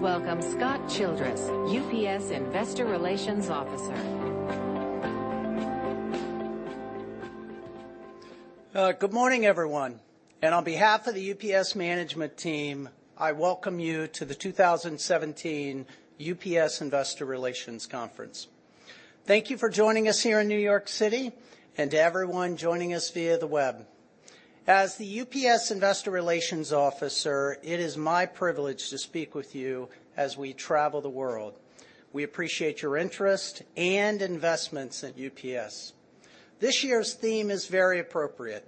Please welcome Scott Childress, UPS Investor Relations Officer. Good morning, everyone. On behalf of the UPS management team, I welcome you to the 2017 UPS Investor Relations Conference. Thank you for joining us here in New York City and to everyone joining us via the web. As the UPS Investor Relations Officer, it is my privilege to speak with you as we travel the world. We appreciate your interest and investments at UPS. This year's theme is very appropriate: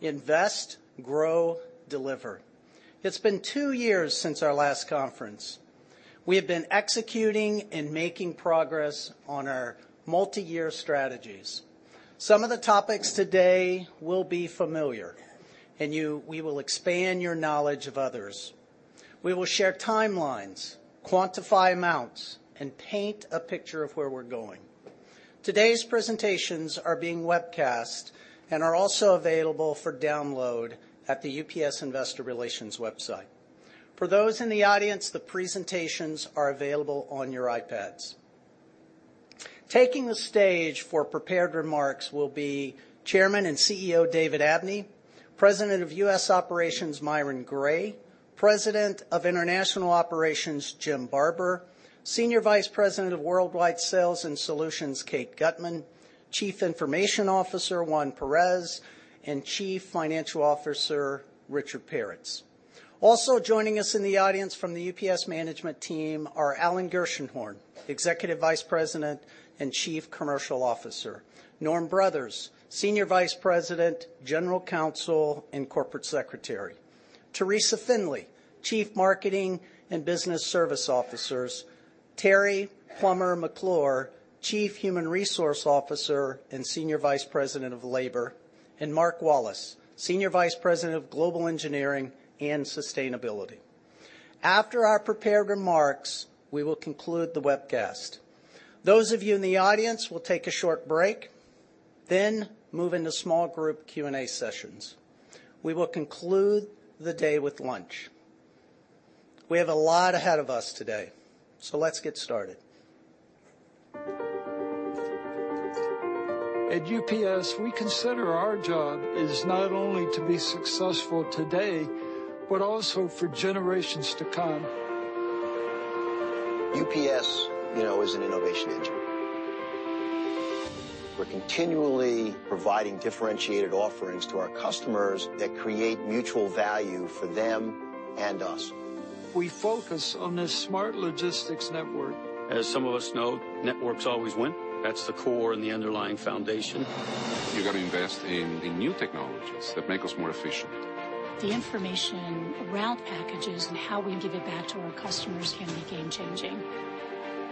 Invest, Grow, Deliver. It's been two years since our last conference. We have been executing and making progress on our multi-year strategies. Some of the topics today will be familiar, and we will expand your knowledge of others. We will share timelines, quantify amounts, and paint a picture of where we're going. Today's presentations are being webcast and are also available for download at the UPS investor relations website. For those in the audience, the presentations are available on your iPads. Taking the stage for prepared remarks will be Chairman and CEO, David Abney, President of U.S. Operations, Myron Gray, President of International Operations, Jim Barber, Senior Vice President of Worldwide Sales and Solutions, Kate Gutmann, Chief Information Officer, Juan Perez, and Chief Financial Officer, Richard Peretz. Also joining us in the audience from the UPS management team are Alan Gershenhorn, Executive Vice President and Chief Commercial Officer, Norm Brothers, Senior Vice President, General Counsel and Corporate Secretary, Teresa Finley, Chief Marketing and Business Service Officers, Teri Plummer McClure, Chief Human Resource Officer and Senior Vice President of Labor, and Mark Wallace, Senior Vice President of Global Engineering and Sustainability. After our prepared remarks, we will conclude the webcast. Those of you in the audience, we'll take a short break, move into small group Q&A sessions. We will conclude the day with lunch. We have a lot ahead of us today, let's get started. At UPS, we consider our job is not only to be successful today, but also for generations to come. UPS is an innovation engine. We're continually providing differentiated offerings to our customers that create mutual value for them and us. We focus on this smart logistics network. As some of us know, networks always win. That's the core and the underlying foundation. You got to invest in new technologies that make us more efficient. The information around packages and how we give it back to our customers can be game-changing.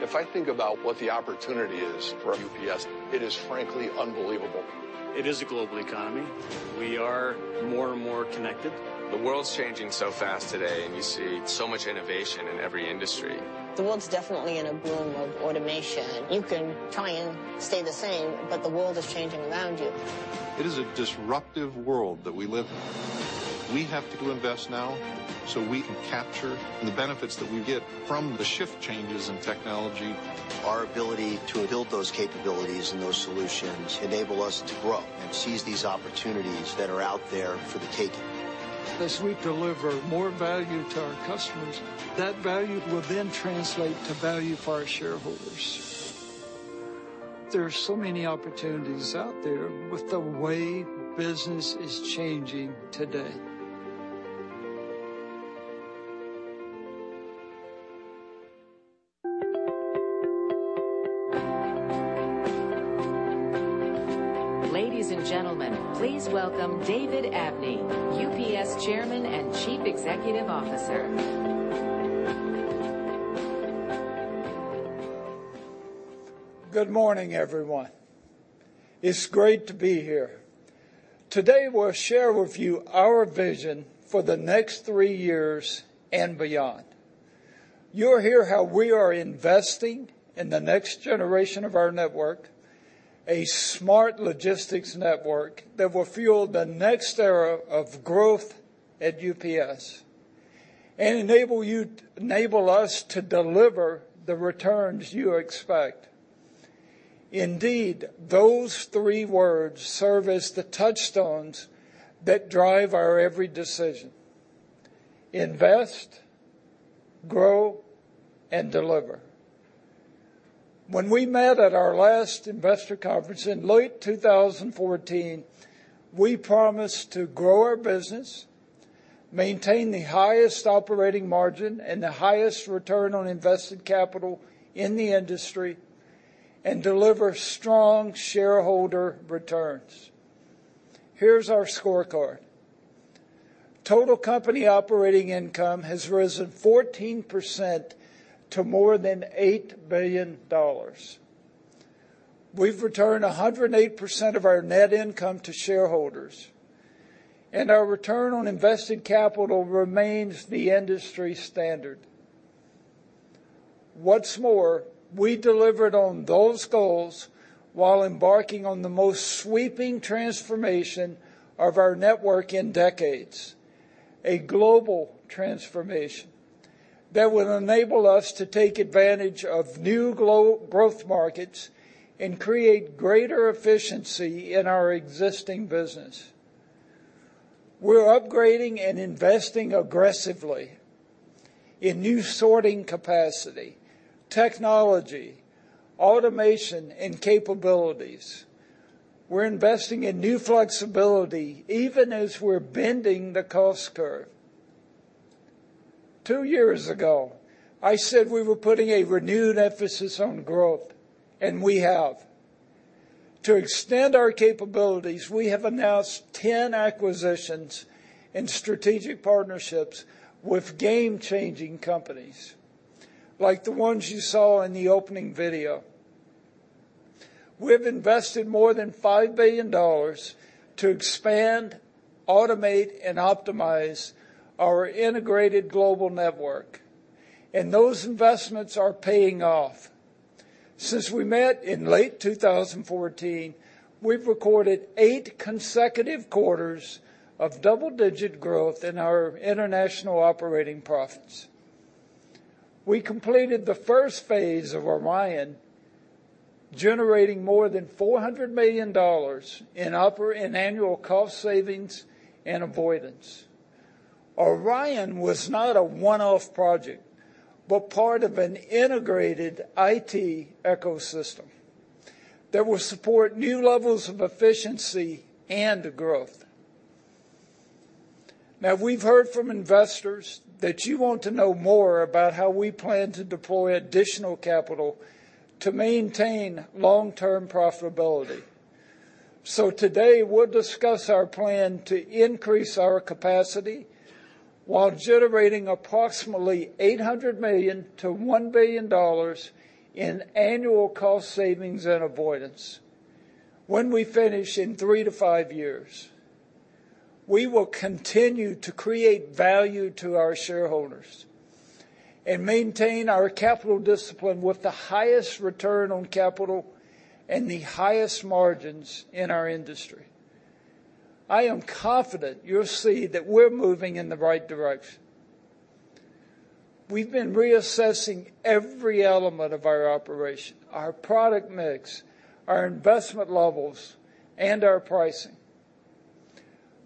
If I think about what the opportunity is for UPS, it is frankly unbelievable. It is a global economy. We are more and more connected. The world's changing so fast today, and you see so much innovation in every industry. The world's definitely in a boom of automation. You can try and stay the same, but the world is changing around you. It is a disruptive world that we live in. We have to invest now so we can capture the benefits that we get from the shift changes in technology. Our ability to build those capabilities and those solutions enable us to grow and seize these opportunities that are out there for the taking. As we deliver more value to our customers, that value will then translate to value for our shareholders. There are so many opportunities out there with the way business is changing today. Ladies and gentlemen, please welcome David Abney, UPS Chairman and Chief Executive Officer. Good morning, everyone. It's great to be here. Today, we'll share with you our vision for the next three years and beyond. You'll hear how we are investing in the next generation of our network, a smart logistics network that will fuel the next era of growth at UPS and enable us to deliver the returns you expect. Indeed, those three words serve as the touchstones that drive our every decision: invest, grow, and deliver. When we met at our last investor conference in late 2014, we promised to grow our business, maintain the highest operating margin and the highest return on invested capital in the industry, and deliver strong shareholder returns. Here's our scorecard. Total company operating income has risen 14% to more than $8 billion. We've returned 108% of our net income to shareholders, and our return on invested capital remains the industry standard. What's more, we delivered on those goals while embarking on the most sweeping transformation of our network in decades, a global transformation that will enable us to take advantage of new growth markets and create greater efficiency in our existing business. We're upgrading and investing aggressively in new sorting capacity, technology, automation, and capabilities. We're investing in new flexibility even as we're bending the cost curve. Two years ago, I said we were putting a renewed emphasis on growth, and we have. To extend our capabilities, we have announced 10 acquisitions and strategic partnerships with game-changing companies like the ones you saw in the opening video. We've invested more than $5 billion to expand, automate, and optimize our integrated global network, and those investments are paying off. Since we met in late 2014, we've recorded eight consecutive quarters of double-digit growth in our international operating profits. We completed the first phase of ORION, generating more than $400 million in annual cost savings and avoidance. ORION was not a one-off project, but part of an integrated IT ecosystem that will support new levels of efficiency and growth. We've heard from investors that you want to know more about how we plan to deploy additional capital to maintain long-term profitability. Today, we'll discuss our plan to increase our capacity while generating approximately $800 million to $1 billion in annual cost savings and avoidance when we finish in three to five years. We will continue to create value to our shareholders and maintain our capital discipline with the highest return on capital and the highest margins in our industry. I am confident you'll see that we're moving in the right direction. We've been reassessing every element of our operation, our product mix, our investment levels, and our pricing.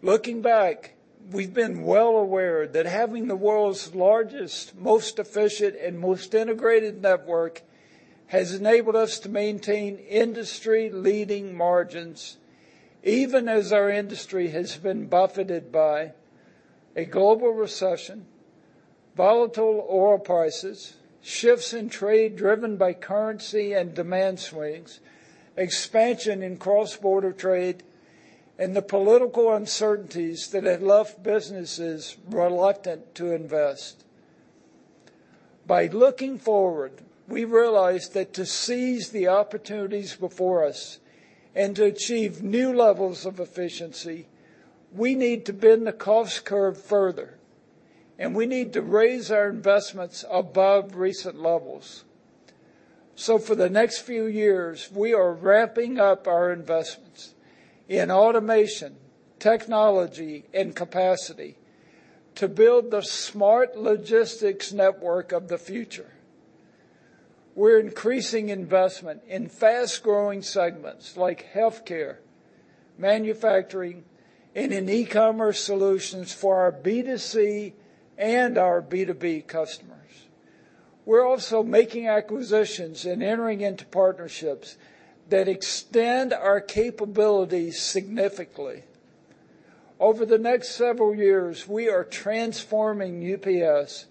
Looking back, we've been well aware that having the world's largest, most efficient, and most integrated network has enabled us to maintain industry-leading margins, even as our industry has been buffeted by a global recession, volatile oil prices, shifts in trade driven by currency and demand swings, expansion in cross-border trade, and the political uncertainties that have left businesses reluctant to invest. By looking forward, we realize that to seize the opportunities before us and to achieve new levels of efficiency, we need to bend the cost curve further, and we need to raise our investments above recent levels. For the next few years, we are ramping up our investments in automation, technology, and capacity to build the smart logistics network of the future. We're increasing investment in fast-growing segments like healthcare, manufacturing, and in e-commerce solutions for our B2C and our B2B customers. We're also making acquisitions and entering into partnerships that extend our capabilities significantly. Over the next several years, we are transforming UPS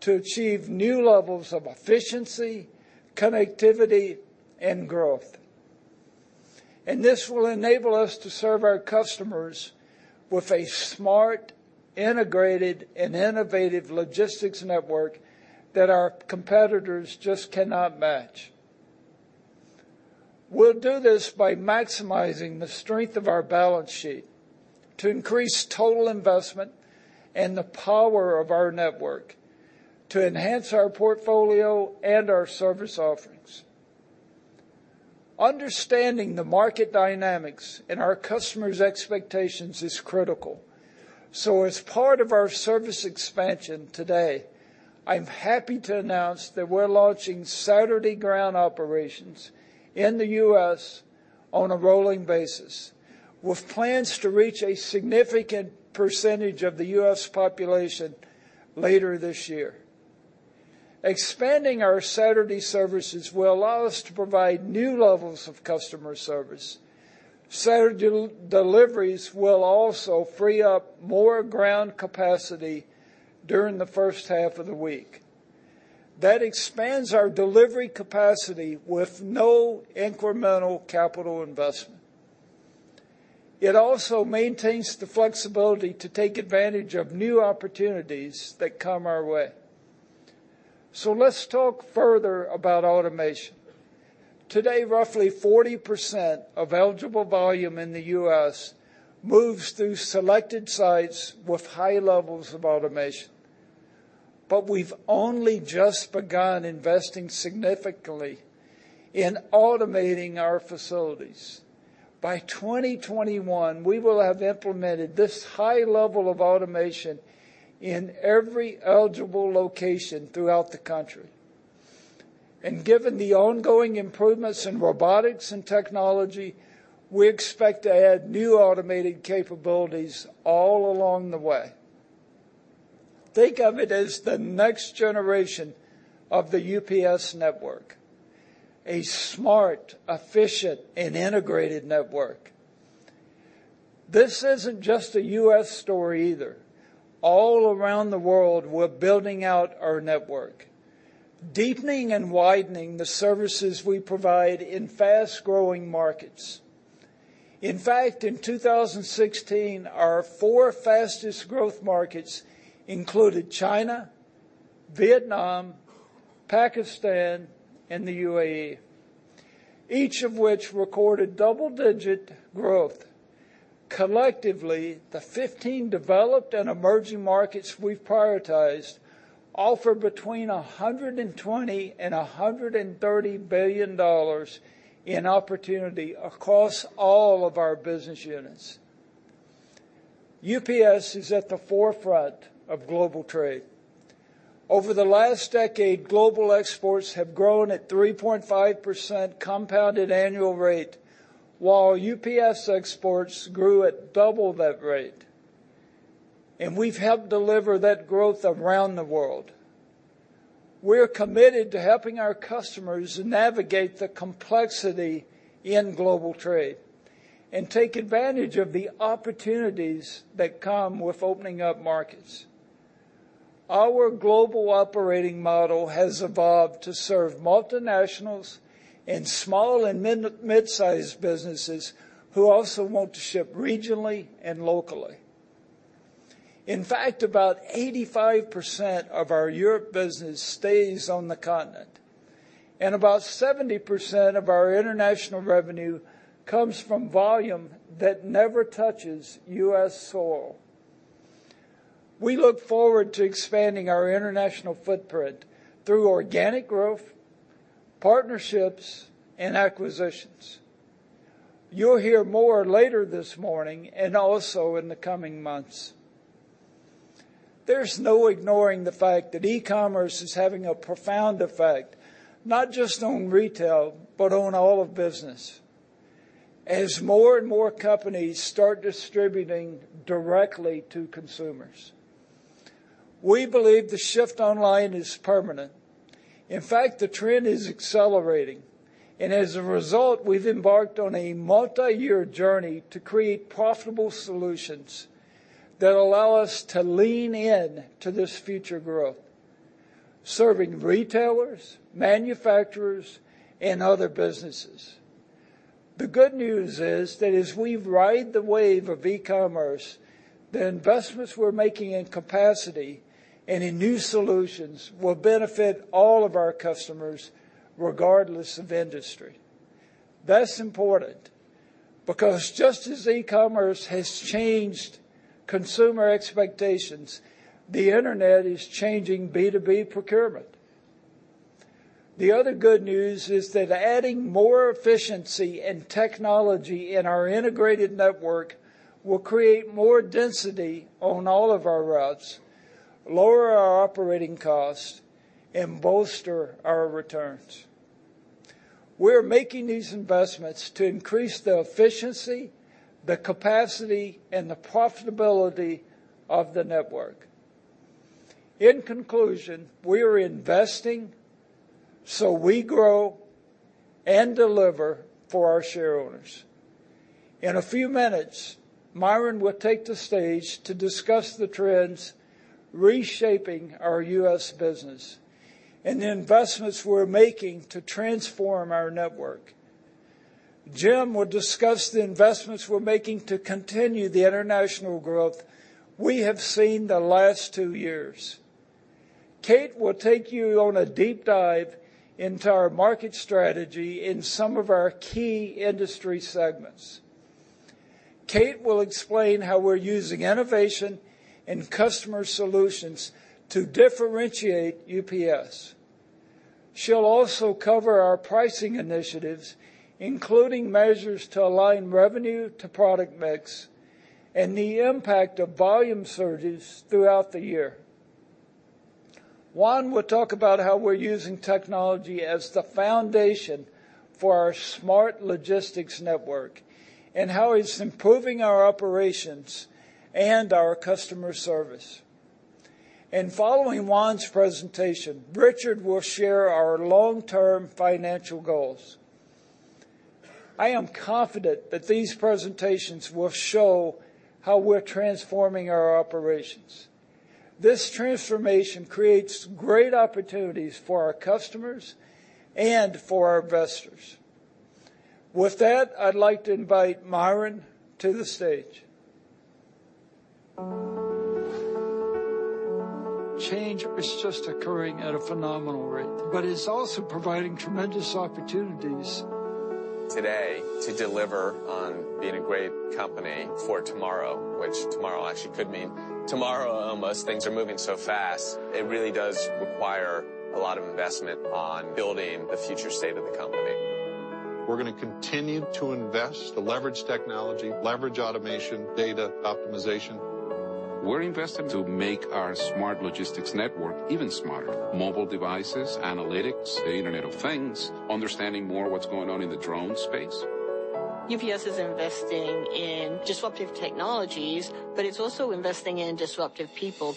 to achieve new levels of efficiency, connectivity, and growth. This will enable us to serve our customers with a smart, integrated, and innovative logistics network that our competitors just cannot match. We'll do this by maximizing the strength of our balance sheet to increase total investment and the power of our network to enhance our portfolio and our service offerings. Understanding the market dynamics and our customers' expectations is critical. As part of our service expansion today, I'm happy to announce that we're launching Saturday ground operations in the U.S. on a rolling basis, with plans to reach a significant percentage of the U.S. population later this year. Expanding our Saturday services will allow us to provide new levels of customer service. Saturday deliveries will also free up more ground capacity during the first half of the week. That expands our delivery capacity with no incremental capital investment. It also maintains the flexibility to take advantage of new opportunities that come our way. Let's talk further about automation. Today, roughly 40% of eligible volume in the U.S. moves through selected sites with high levels of automation. We've only just begun investing significantly in automating our facilities. By 2021, we will have implemented this high level of automation in every eligible location throughout the country. Given the ongoing improvements in robotics and technology, we expect to add new automated capabilities all along the way. Think of it as the next generation of the UPS network, a smart, efficient, and integrated network. This isn't just a U.S. story either. All around the world, we're building out our network, deepening and widening the services we provide in fast-growing markets. In fact, in 2016, our four fastest growth markets included China, Vietnam, Pakistan, and the U.A.E., each of which recorded double-digit growth. Collectively, the 15 developed and emerging markets we've prioritized offer between $120 billion and $130 billion in opportunity across all of our business units. UPS is at the forefront of global trade. Over the last decade, global exports have grown at 3.5% compounded annual rate, while UPS exports grew at double that rate. We've helped deliver that growth around the world. We're committed to helping our customers navigate the complexity in global trade and take advantage of the opportunities that come with opening up markets. Our global operating model has evolved to serve multinationals and small and mid-sized businesses who also want to ship regionally and locally. In fact, about 85% of our Europe business stays on the continent, and about 70% of our international revenue comes from volume that never touches U.S. soil. We look forward to expanding our international footprint through organic growth, partnerships, and acquisitions. You'll hear more later this morning and also in the coming months. There's no ignoring the fact that e-commerce is having a profound effect, not just on retail, but on all of business, as more and more companies start distributing directly to consumers. We believe the shift online is permanent. In fact, the trend is accelerating. As a result, we've embarked on a multi-year journey to create profitable solutions that allow us to lean in to this future growth, serving retailers, manufacturers, and other businesses. The good news is that as we ride the wave of e-commerce, the investments we're making in capacity and in new solutions will benefit all of our customers, regardless of industry. That's important, because just as e-commerce has changed consumer expectations, the internet is changing B2B procurement. The other good news is that adding more efficiency and technology in our integrated network will create more density on all of our routes, lower our operating costs, and bolster our returns. We're making these investments to increase the efficiency, the capacity, and the profitability of the network. In conclusion, we are investing so we grow and deliver for our shareholders. In a few minutes, Myron will take the stage to discuss the trends reshaping our U.S. business and the investments we're making to transform our network. Jim will discuss the investments we're making to continue the international growth we have seen the last two years. Kate will take you on a deep dive into our market strategy in some of our key industry segments. Kate will explain how we're using innovation and customer solutions to differentiate UPS. She'll also cover our pricing initiatives, including measures to align revenue to product mix and the impact of volume surges throughout the year. Juan will talk about how we're using technology as the foundation for our smart logistics network and how it's improving our operations and our customer service. Following Juan's presentation, Richard will share our long-term financial goals. I am confident that these presentations will show how we're transforming our operations. This transformation creates great opportunities for our customers and for our investors. With that, I'd like to invite Myron to the stage Change is just occurring at a phenomenal rate, it's also providing tremendous opportunities. Today, to deliver on being a great company for tomorrow, which tomorrow actually could mean tomorrow almost, things are moving so fast, it really does require a lot of investment on building the future state of the company. We're going to continue to invest to leverage technology, leverage automation, data optimization. We're invested to make our smart logistics network even smarter. Mobile devices, analytics, the Internet of Things, understanding more what's going on in the drone space. UPS is investing in disruptive technologies, but it's also investing in disruptive people.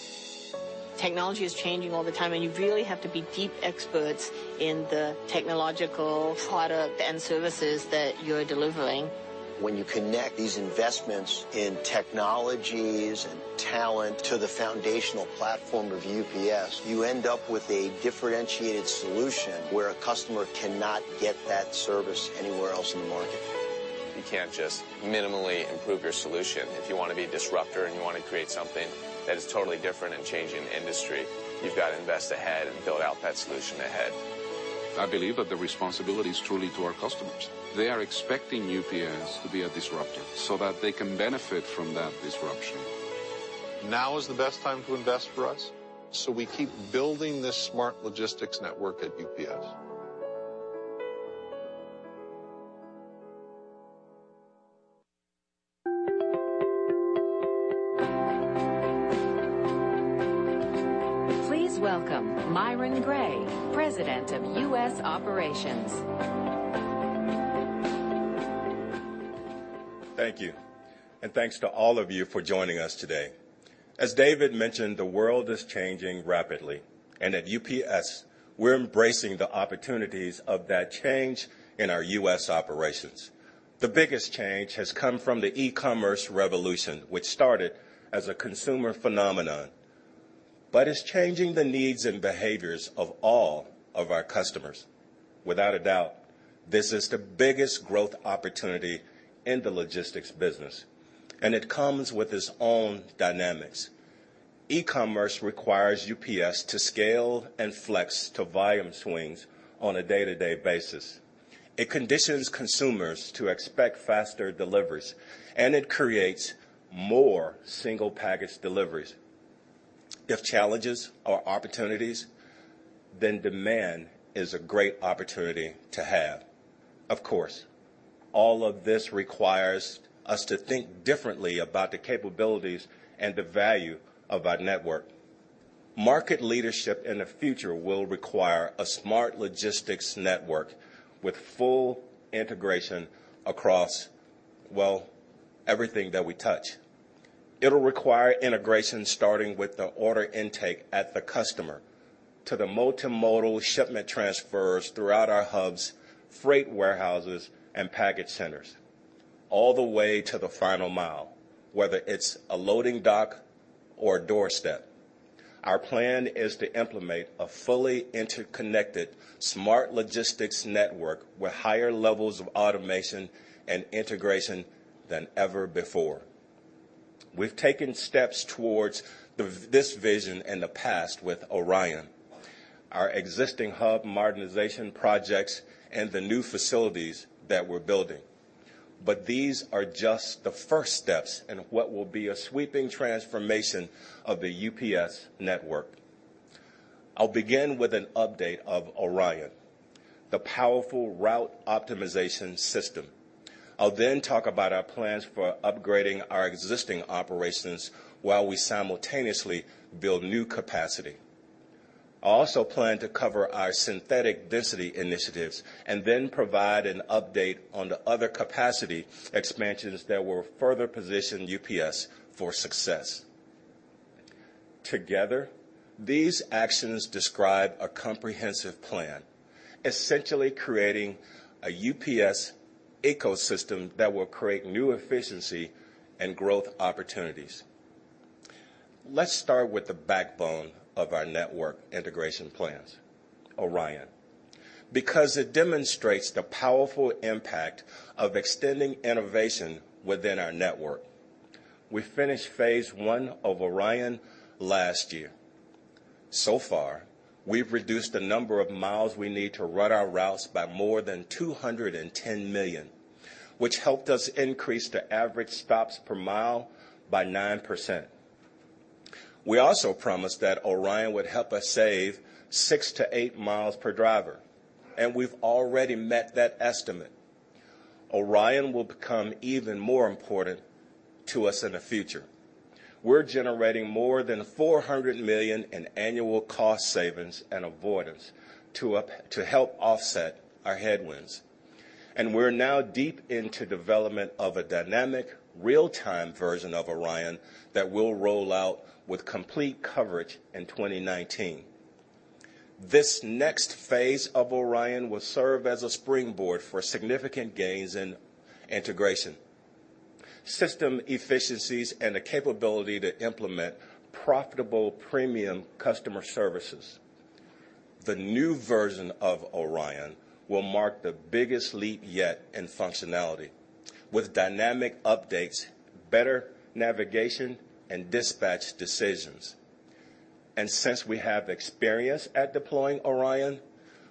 Technology is changing all the time, and you really have to be deep experts in the technological product and services that you're delivering. When you connect these investments in technologies and talent to the foundational platform of UPS, you end up with a differentiated solution where a customer cannot get that service anywhere else in the market. You can't just minimally improve your solution. If you want to be a disruptor and you want to create something that is totally different and changing the industry, you've got to invest ahead and build out that solution ahead. I believe that the responsibility is truly to our customers. They are expecting UPS to be a disruptor so that they can benefit from that disruption. Now is the best time to invest for us, so we keep building this smart logistics network at UPS. Please welcome Myron Gray, President of U.S. Operations. Thank you. Thanks to all of you for joining us today. As David mentioned, the world is changing rapidly, and at UPS, we're embracing the opportunities of that change in our U.S. operations. The biggest change has come from the e-commerce revolution, which started as a consumer phenomenon, but is changing the needs and behaviors of all of our customers. Without a doubt, this is the biggest growth opportunity in the logistics business, and it comes with its own dynamics. E-commerce requires UPS to scale and flex to volume swings on a day-to-day basis. It conditions consumers to expect faster deliveries, and it creates more single-package deliveries. If challenges are opportunities, then demand is a great opportunity to have. Of course, all of this requires us to think differently about the capabilities and the value of our network. Market leadership in the future will require a smart logistics network with full integration across, well, everything that we touch. It'll require integration starting with the order intake at the customer to the multimodal shipment transfers throughout our hubs, freight warehouses, and package centers, all the way to the final mile, whether it's a loading dock or a doorstep. Our plan is to implement a fully interconnected smart logistics network with higher levels of automation and integration than ever before. We've taken steps towards this vision in the past with ORION, our existing hub modernization projects, and the new facilities that we're building. These are just the first steps in what will be a sweeping transformation of the UPS network. I'll begin with an update of ORION, the powerful route optimization system. I'll then talk about our plans for upgrading our existing operations while we simultaneously build new capacity. I also plan to cover our synthetic density initiatives and then provide an update on the other capacity expansions that will further position UPS for success. Together, these actions describe a comprehensive plan, essentially creating a UPS ecosystem that will create new efficiency and growth opportunities. Let's start with the backbone of our network integration plans, ORION, because it demonstrates the powerful impact of extending innovation within our network. We finished phase 1 of ORION last year. Far, we've reduced the number of miles we need to run our routes by more than 210 million, which helped us increase the average stops per mile by 9%. We also promised that ORION would help us save six to eight miles per driver, and we've already met that estimate. ORION will become even more important to us in the future. We're generating more than $400 million in annual cost savings and avoidance to help offset our headwinds, and we're now deep into development of a dynamic real-time version of ORION that we'll roll out with complete coverage in 2019. This next phase of ORION will serve as a springboard for significant gains in integration, system efficiencies, and the capability to implement profitable premium customer services. The new version of ORION will mark the biggest leap yet in functionality, with dynamic updates, better navigation, and dispatch decisions. Since we have experience at deploying ORION,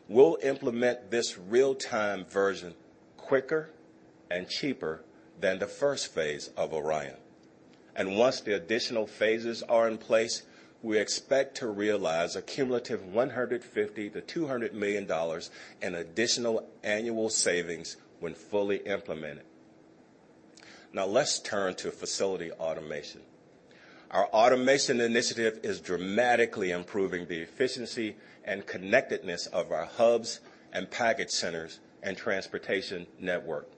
we'll implement this real-time version quicker and cheaper than the first phase of ORION. Once the additional phases are in place, we expect to realize a cumulative $150 million-$200 million in additional annual savings when fully implemented. Now let's turn to facility automation. Our automation initiative is dramatically improving the efficiency and connectedness of our hubs and package centers and transportation network.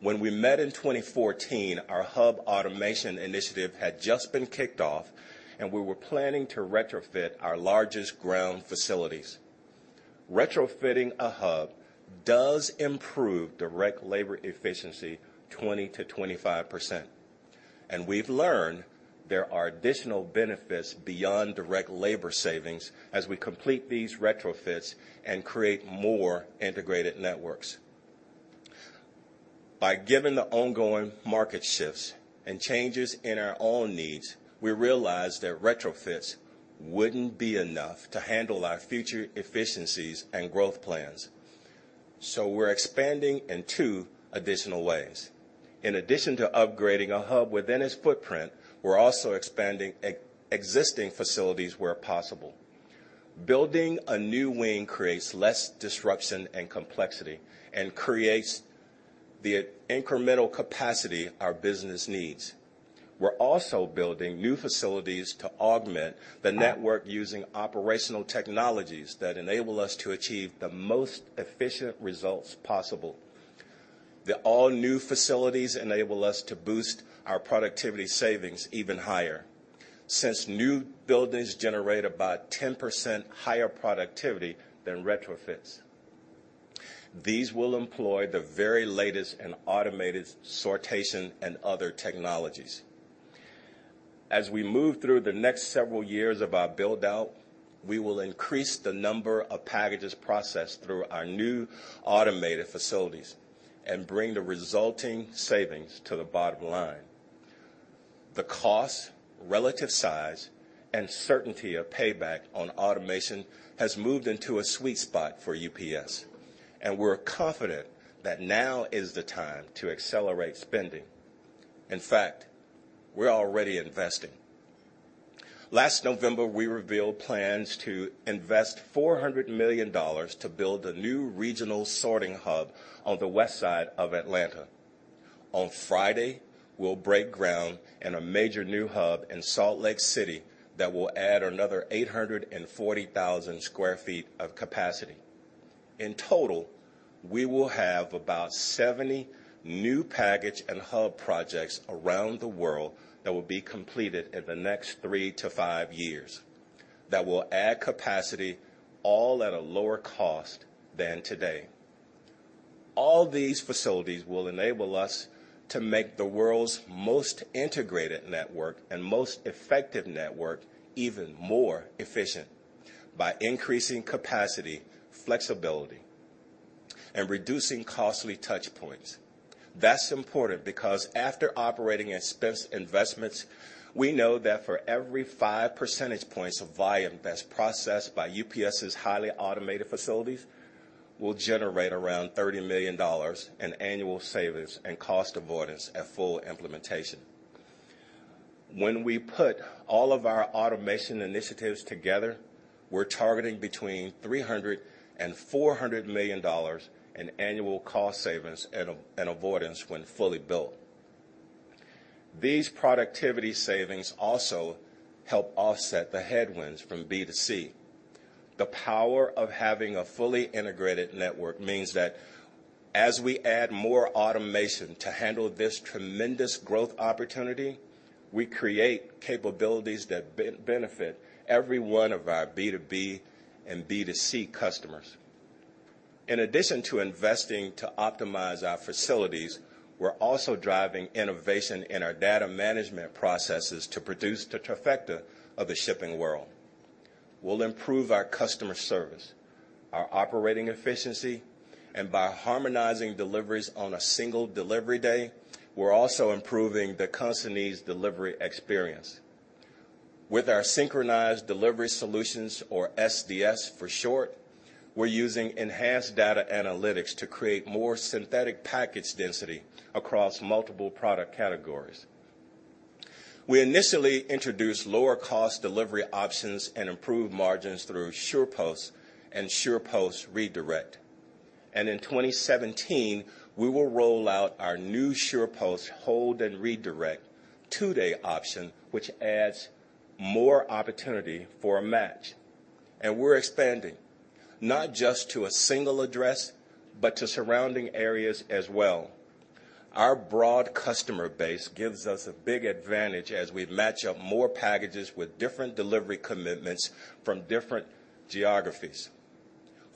When we met in 2014, our hub automation initiative had just been kicked off, and we were planning to retrofit our largest ground facilities. Retrofitting a hub does improve direct labor efficiency 20%-25%. We've learned there are additional benefits beyond direct labor savings as we complete these retrofits and create more integrated networks. By given the ongoing market shifts and changes in our own needs, we realized that retrofits wouldn't be enough to handle our future efficiencies and growth plans. We're expanding in two additional ways. In addition to upgrading a hub within its footprint, we're also expanding existing facilities where possible. Building a new wing creates less disruption and complexity and creates the incremental capacity our business needs. We're also building new facilities to augment the network using operational technologies that enable us to achieve the most efficient results possible. The all-new facilities enable us to boost our productivity savings even higher, since new buildings generate about 10% higher productivity than retrofits. These will employ the very latest in automated sortation and other technologies. As we move through the next several years of our build-out, we will increase the number of packages processed through our new automated facilities and bring the resulting savings to the bottom line. The cost, relative size, and certainty of payback on automation has moved into a sweet spot for UPS, and we're confident that now is the time to accelerate spending. In fact, we're already investing. Last November, we revealed plans to invest $400 million to build a new regional sorting hub on the west side of Atlanta. On Friday, we'll break ground in a major new hub in Salt Lake City that will add another 840,000 square feet of capacity. In total, we will have about 70 new package and hub projects around the world that will be completed in the next three to five years that will add capacity all at a lower cost than today. All these facilities will enable us to make the world's most integrated network and most effective network even more efficient by increasing capacity, flexibility, and reducing costly touchpoints. That's important because after operating expense investments, we know that for every five percentage points of volume that's processed by UPS's highly automated facilities will generate around $30 million in annual savings and cost avoidance at full implementation. When we put all of our automation initiatives together, we're targeting between $300 million and $400 million in annual cost savings and avoidance when fully built. These productivity savings also help offset the headwinds from B2C. The power of having a fully integrated network means that as we add more automation to handle this tremendous growth opportunity, we create capabilities that benefit every one of our B2B and B2C customers. In addition to investing to optimize our facilities, we're also driving innovation in our data management processes to produce the trifecta of the shipping world. We'll improve our customer service, our operating efficiency, and by harmonizing deliveries on a single delivery day, we're also improving the consignee's delivery experience. With our synchronized delivery solutions, or SDS for short, we're using enhanced data analytics to create more synthetic package density across multiple product categories. We initially introduced lower cost delivery options and improved margins through SurePost and SurePost Redirect. In 2017, we will roll out our new SurePost Hold and Redirect two-day option, which adds more opportunity for a match. We're expanding, not just to a single address, but to surrounding areas as well. Our broad customer base gives us a big advantage as we match up more packages with different delivery commitments from different geographies.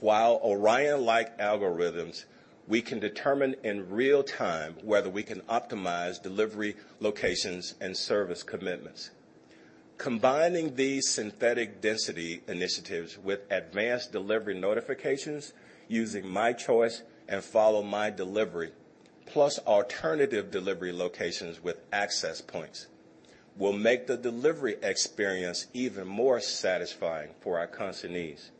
While ORION-like algorithms, we can determine in real time whether we can optimize delivery locations and service commitments. Combining these synthetic density initiatives with advanced delivery notifications using My Choice and Follow My Delivery, plus alternative delivery locations with Access Points, will make the delivery experience even more satisfying for our consignees.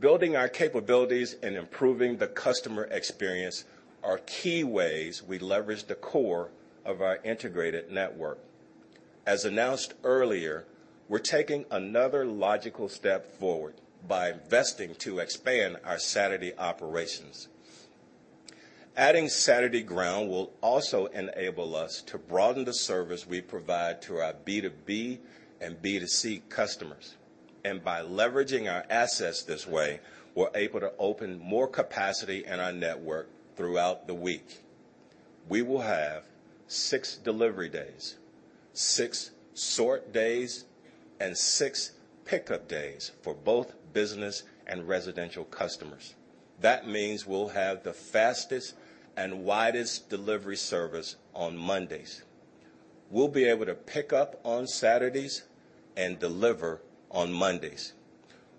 Building our capabilities and improving the customer experience are key ways we leverage the core of our integrated network. As announced earlier, we're taking another logical step forward by investing to expand our Saturday operations. Adding Saturday ground will also enable us to broaden the service we provide to our B2B and B2C customers. By leveraging our assets this way, we're able to open more capacity in our network throughout the week. We will have six delivery days, six sort days, and six pickup days for both business and residential customers. That means we'll have the fastest and widest delivery service on Mondays. We'll be able to pick up on Saturdays and deliver on Mondays.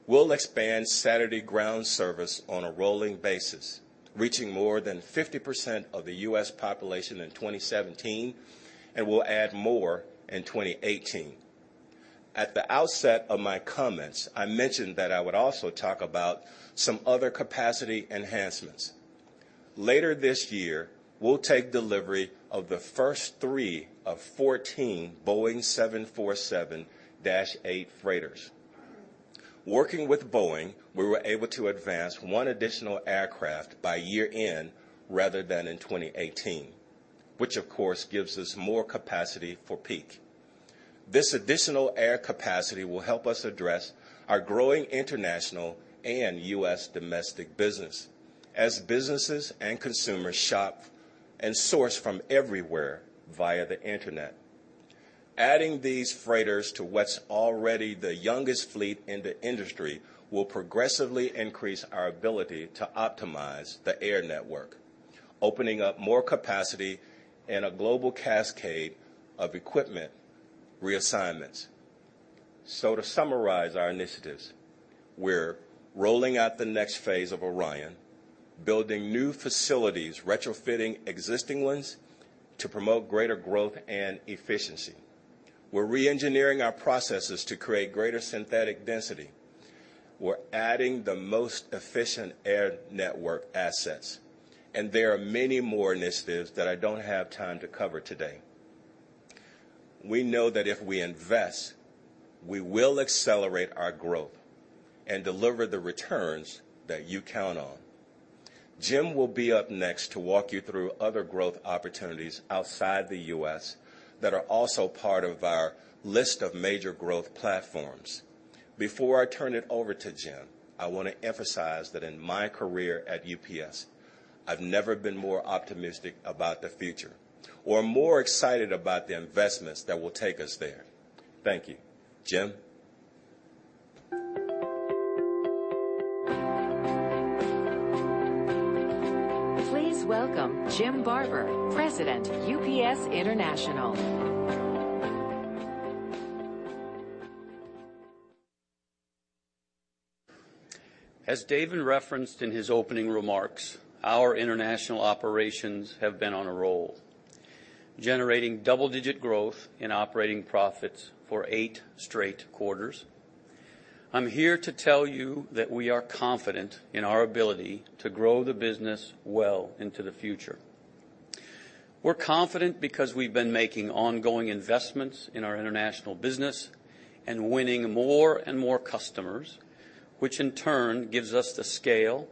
We'll expand Saturday ground service on a rolling basis, reaching more than 50% of the U.S. population in 2017, and we'll add more in 2018. At the outset of my comments, I mentioned that I would also talk about some other capacity enhancements. Later this year, we'll take delivery of the first three of 14 Boeing 747-8 freighters. Working with Boeing, we were able to advance one additional aircraft by year-end rather than in 2018, which of course gives us more capacity for peak. This additional air capacity will help us address our growing international and U.S. domestic business, as businesses and consumers shop and source from everywhere via the internet. Adding these freighters to what's already the youngest fleet in the industry will progressively increase our ability to optimize the air network, opening up more capacity and a global cascade of equipment reassignments. To summarize our initiatives, we're rolling out the next phase of ORION, building new facilities, retrofitting existing ones to promote greater growth and efficiency. We're re-engineering our processes to create greater synthetic density. We're adding the most efficient air network assets, there are many more initiatives that I don't have time to cover today. We know that if we invest, we will accelerate our growth and deliver the returns that you count on. Jim will be up next to walk you through other growth opportunities outside the U.S. that are also part of our list of major growth platforms. Before I turn it over to Jim, I want to emphasize that in my career at UPS, I've never been more optimistic about the future or more excited about the investments that will take us there. Thank you. Jim? Please welcome Jim Barber, President, UPS International. As David referenced in his opening remarks, our international operations have been on a roll, generating double-digit growth in operating profits for eight straight quarters. I'm here to tell you that we are confident in our ability to grow the business well into the future. We're confident because we've been making ongoing investments in our international business and winning more and more customers, which in turn gives us the scale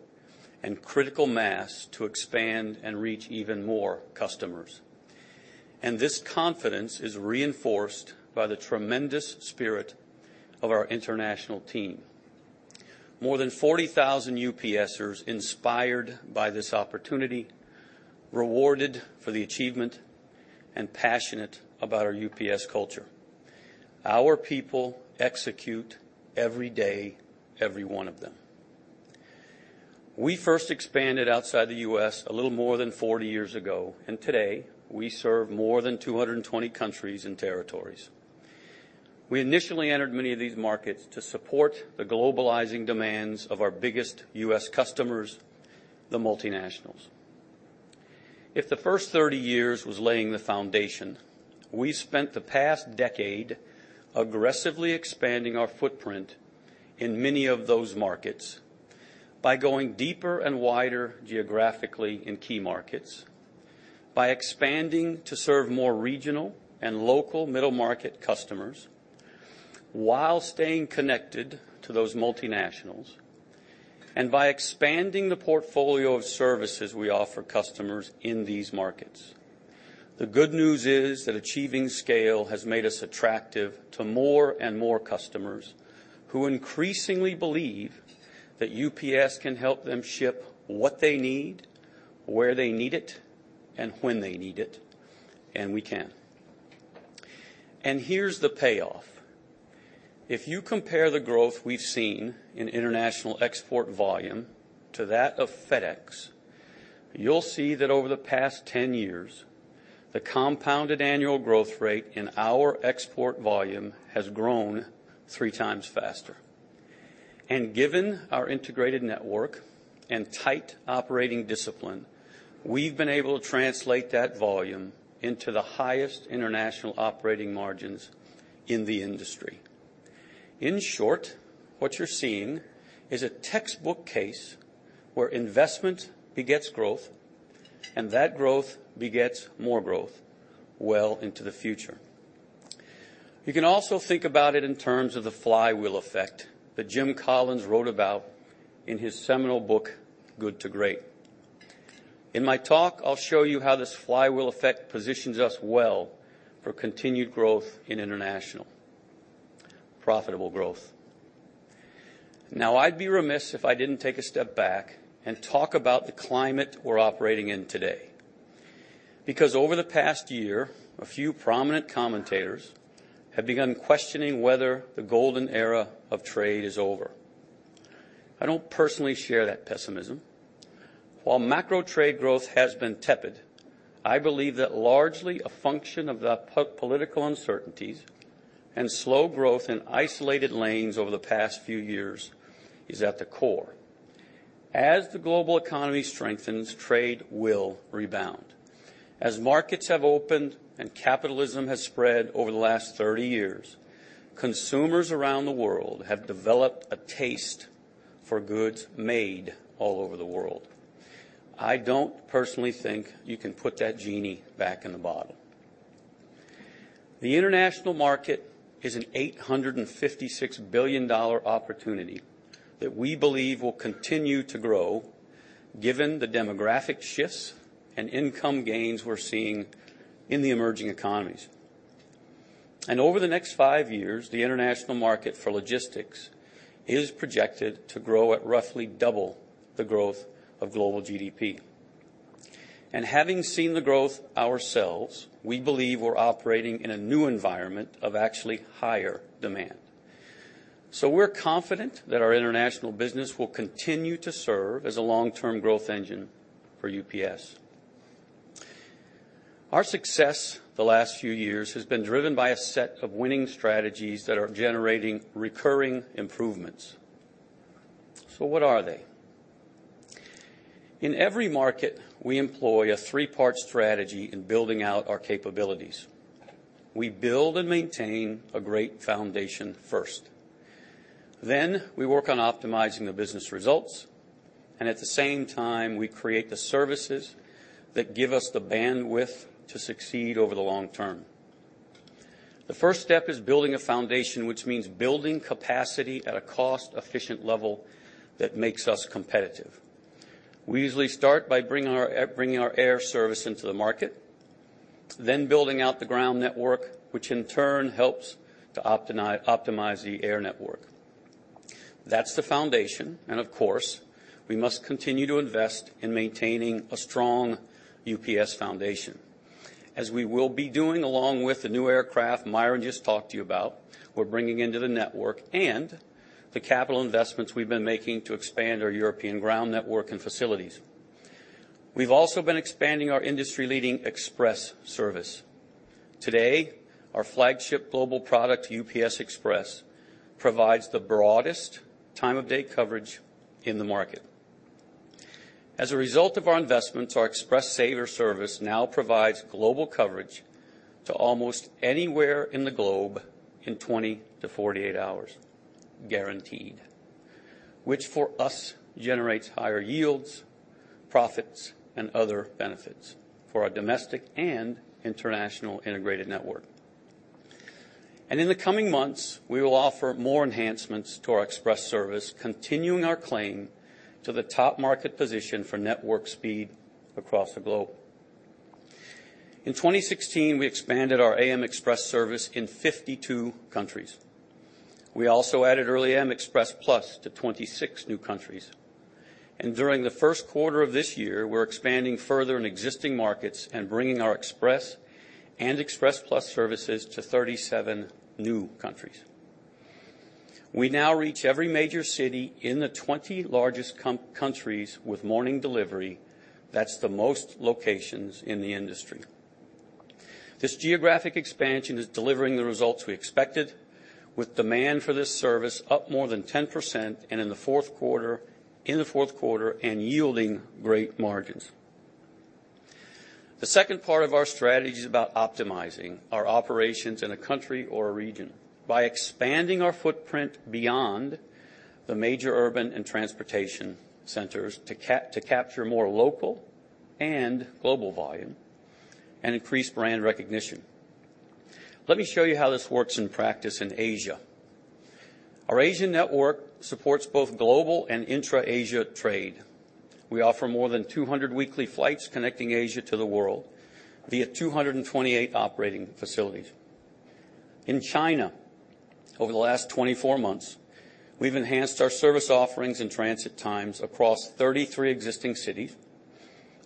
and critical mass to expand and reach even more customers. This confidence is reinforced by the tremendous spirit of our international team. More than 40,000 UPSers inspired by this opportunity, rewarded for the achievement, and passionate about our UPS culture. Our people execute every day, every one of them. We first expanded outside the U.S. a little more than 40 years ago, today, we serve more than 220 countries and territories. We initially entered many of these markets to support the globalizing demands of our biggest U.S. customers, the multinationals. If the first 30 years was laying the foundation, we spent the past decade aggressively expanding our footprint in many of those markets by going deeper and wider geographically in key markets, by expanding to serve more regional and local middle-market customers while staying connected to those multinationals, and by expanding the portfolio of services we offer customers in these markets. The good news is that achieving scale has made us attractive to more and more customers who increasingly believe that UPS can help them ship what they need, where they need it, and when they need it, and we can. Here's the payoff. If you compare the growth we've seen in international export volume to that of FedEx, you'll see that over the past 10 years, the compounded annual growth rate in our export volume has grown three times faster. Given our integrated network and tight operating discipline, we've been able to translate that volume into the highest international operating margins in the industry. In short, what you're seeing is a textbook case where investment begets growth, and that growth begets more growth well into the future. You can also think about it in terms of the flywheel effect that Jim Collins wrote about in his seminal book, "Good to Great." In my talk, I'll show you how this flywheel effect positions us well for continued growth in international. Profitable growth. Now, I'd be remiss if I didn't take a step back and talk about the climate we're operating in today. Because over the past year, a few prominent commentators have begun questioning whether the golden era of trade is over. I don't personally share that pessimism. While macro trade growth has been tepid, I believe that largely a function of the political uncertainties and slow growth in isolated lanes over the past few years is at the core. As the global economy strengthens, trade will rebound. As markets have opened and capitalism has spread over the last 30 years, consumers around the world have developed a taste for goods made all over the world. I don't personally think you can put that genie back in the bottle. The international market is an $856 billion opportunity that we believe will continue to grow given the demographic shifts and income gains we're seeing in the emerging economies. Over the next five years, the international market for logistics is projected to grow at roughly double the growth of global GDP. Having seen the growth ourselves, we believe we're operating in a new environment of actually higher demand. We're confident that our international business will continue to serve as a long-term growth engine for UPS. Our success the last few years has been driven by a set of winning strategies that are generating recurring improvements. What are they? In every market, we employ a three-part strategy in building out our capabilities. We build and maintain a great foundation first. We work on optimizing the business results, and at the same time, we create the services that give us the bandwidth to succeed over the long term. The first step is building a foundation, which means building capacity at a cost-efficient level that makes us competitive. We usually start by bringing our air service into the market, then building out the ground network, which in turn helps to optimize the air network. That's the foundation, and of course, we must continue to invest in maintaining a strong UPS foundation, as we will be doing along with the new aircraft Myron just talked to you about, we're bringing into the network, and the capital investments we've been making to expand our European ground network and facilities. We've also been expanding our industry-leading Express service. Today, our flagship global product, UPS Express, provides the broadest time of day coverage in the market. As a result of our investments, our UPS Express Saver now provides global coverage to almost anywhere in the globe in 20-48 hours, guaranteed. Which for us, generates higher yields, profits, and other benefits for our domestic and international integrated network. In the coming months, we will offer more enhancements to our Express service, continuing our claim to the top market position for network speed across the globe. In 2016, we expanded our AM Express service in 52 countries. We also added UPS Express Plus to 26 new countries. During the first quarter of this year, we're expanding further in existing markets and bringing our UPS Express and UPS Express Plus services to 37 new countries. We now reach every major city in the 20 largest countries with morning delivery. That's the most locations in the industry. This geographic expansion is delivering the results we expected with demand for this service up more than 10% in the fourth quarter, and yielding great margins. The second part of our strategy is about optimizing our operations in a country or a region by expanding our footprint beyond the major urban and transportation centers to capture more local and global volume and increase brand recognition. Let me show you how this works in practice in Asia. Our Asian network supports both global and intra-Asia trade. We offer more than 200 weekly flights connecting Asia to the world via 228 operating facilities. In China, over the last 24 months, we've enhanced our service offerings and transit times across 33 existing cities.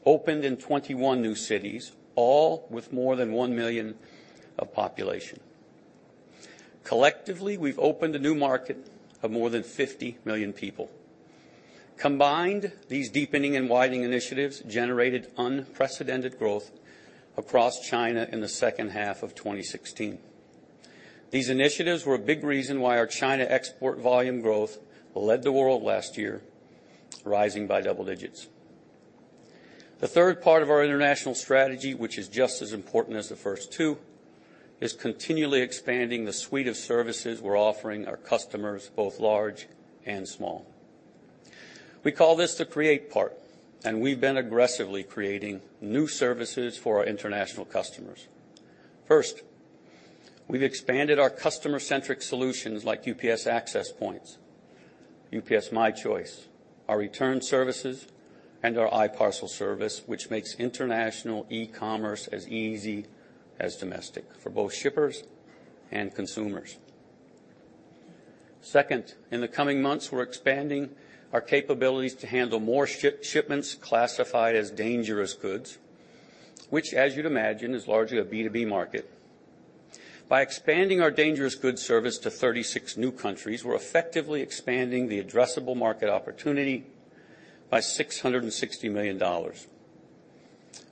Opened in 21 new cities, all with more than 1 million of population. Collectively, we've opened a new market of more than 50 million people. Combined, these deepening and widening initiatives generated unprecedented growth across China in the second half of 2016. These initiatives were a big reason why our China export volume growth led the world last year, rising by double digits. The third part of our international strategy, which is just as important as the first two, is continually expanding the suite of services we're offering our customers, both large and small. We call this the create part, and we've been aggressively creating new services for our international customers. First, we've expanded our customer-centric solutions like UPS Access Point, UPS My Choice, our return services, and our i-parcel service, which makes international e-commerce as easy as domestic for both shippers and consumers. Second, in the coming months, we're expanding our capabilities to handle more shipments classified as dangerous goods, which as you'd imagine, is largely a B2B market. By expanding our dangerous goods service to 36 new countries, we're effectively expanding the addressable market opportunity by $660 million.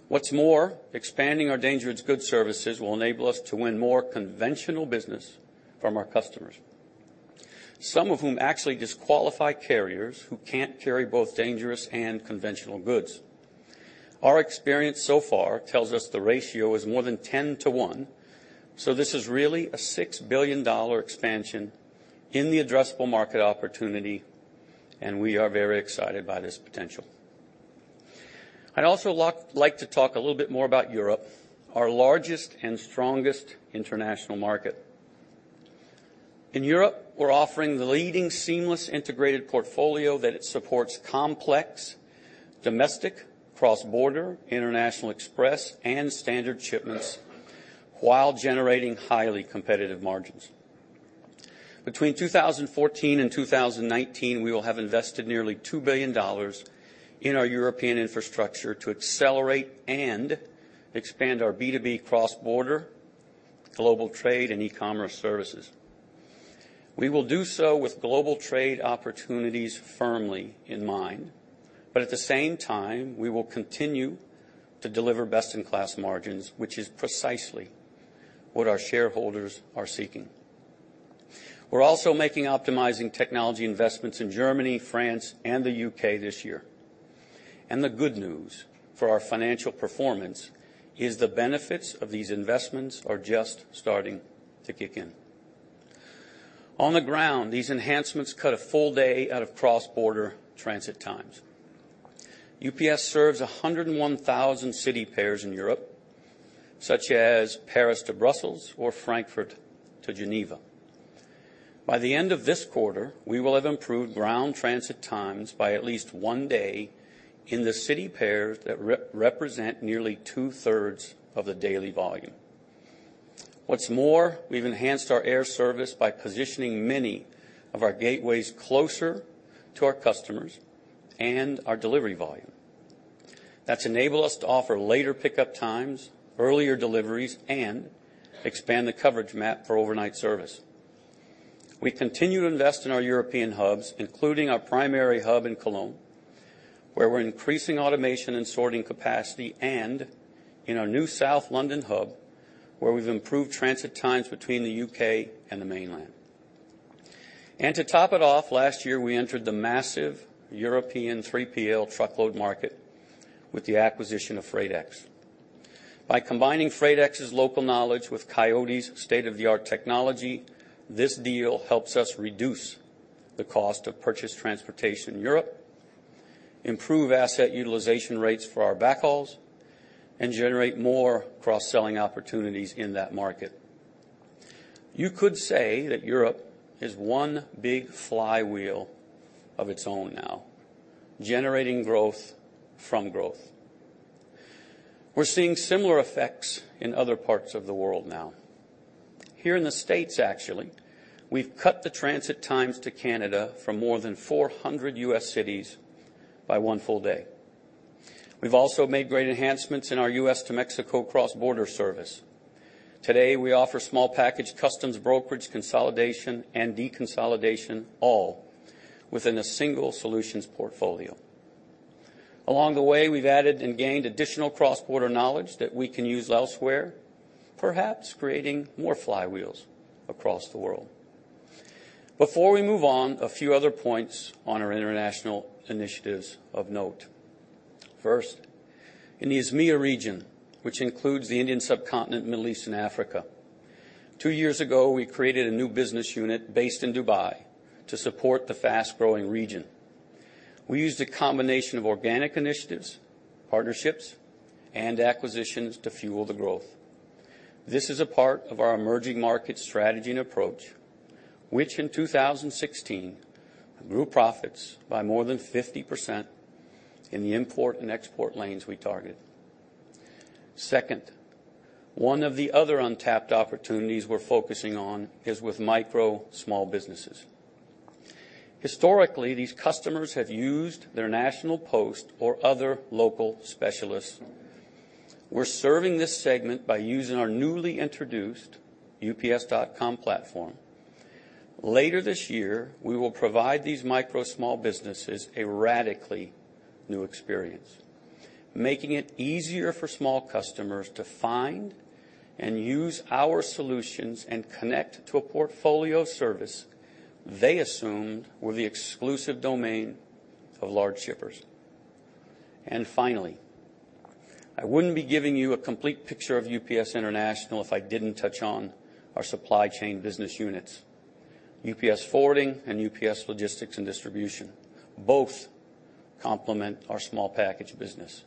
What's more, expanding our dangerous goods services will enable us to win more conventional business from our customers, some of whom actually disqualify carriers who can't carry both dangerous and conventional goods. Our experience so far tells us the ratio is more than 10 to 1, this is really a $6 billion expansion in the addressable market opportunity, and we are very excited by this potential. I'd also like to talk a little bit more about Europe, our largest and strongest international market. In Europe, we're offering the leading seamless integrated portfolio that it supports complex domestic, cross-border, international express, and standard shipments while generating highly competitive margins. Between 2014 and 2019, we will have invested nearly $2 billion in our European infrastructure to accelerate and expand our B2B cross-border global trade and e-commerce services. We will do so with global trade opportunities firmly in mind. At the same time, we will continue to deliver best-in-class margins, which is precisely what our shareholders are seeking. We're also making optimizing technology investments in Germany, France, and the U.K. this year. The good news for our financial performance is the benefits of these investments are just starting to kick in. On the ground, these enhancements cut a full day out of cross-border transit times. UPS serves 101,000 city pairs in Europe, such as Paris to Brussels or Frankfurt to Geneva. By the end of this quarter, we will have improved ground transit times by at least one day in the city pairs that represent nearly two-thirds of the daily volume. What's more, we've enhanced our air service by positioning many of our gateways closer to our customers and our delivery volume. That's enabled us to offer later pickup times, earlier deliveries, and expand the coverage map for overnight service. We continue to invest in our European hubs, including our primary hub in Cologne, where we're increasing automation and sorting capacity, and in our new South London hub, where we've improved transit times between the U.K. and the mainland. To top it off, last year, we entered the massive European 3PL truckload market with the acquisition of Freightex. By combining Freightex's local knowledge with Coyote's state-of-the-art technology, this deal helps us reduce the cost of purchased transportation in Europe, improve asset utilization rates for our backhauls, and generate more cross-selling opportunities in that market. You could say that Europe is one big flywheel of its own now, generating growth from growth. We're seeing similar effects in other parts of the world now. Here in the U.S., actually, we've cut the transit times to Canada from more than 400 U.S. cities by one full day. We've also made great enhancements in our U.S. to Mexico cross-border service. Today, we offer small package customs brokerage consolidation and deconsolidation all within a single solutions portfolio. Along the way, we've added and gained additional cross-border knowledge that we can use elsewhere, perhaps creating more flywheels across the world. Before we move on, a few other points on our international initiatives of note. First, in the ISMEA region, which includes the Indian subcontinent, Middle East, and Africa. Two years ago, we created a new business unit based in Dubai to support the fast-growing region. We used a combination of organic initiatives, partnerships, and acquisitions to fuel the growth. This is a part of our emerging market strategy and approach, which in 2016, grew profits by more than 50% in the import and export lanes we targeted. Second, one of the other untapped opportunities we're focusing on is with micro small businesses. Historically, these customers have used their national post or other local specialists. We're serving this segment by using our newly introduced ups.com platform. Later this year, we will provide these micro small businesses a radically new experience, making it easier for small customers to find and use our solutions and connect to a portfolio service they assumed were the exclusive domain of large shippers. Finally, I wouldn't be giving you a complete picture of UPS International if I didn't touch on our supply chain business units, UPS Forwarding and UPS Logistics and Distribution. Both complement our small package business.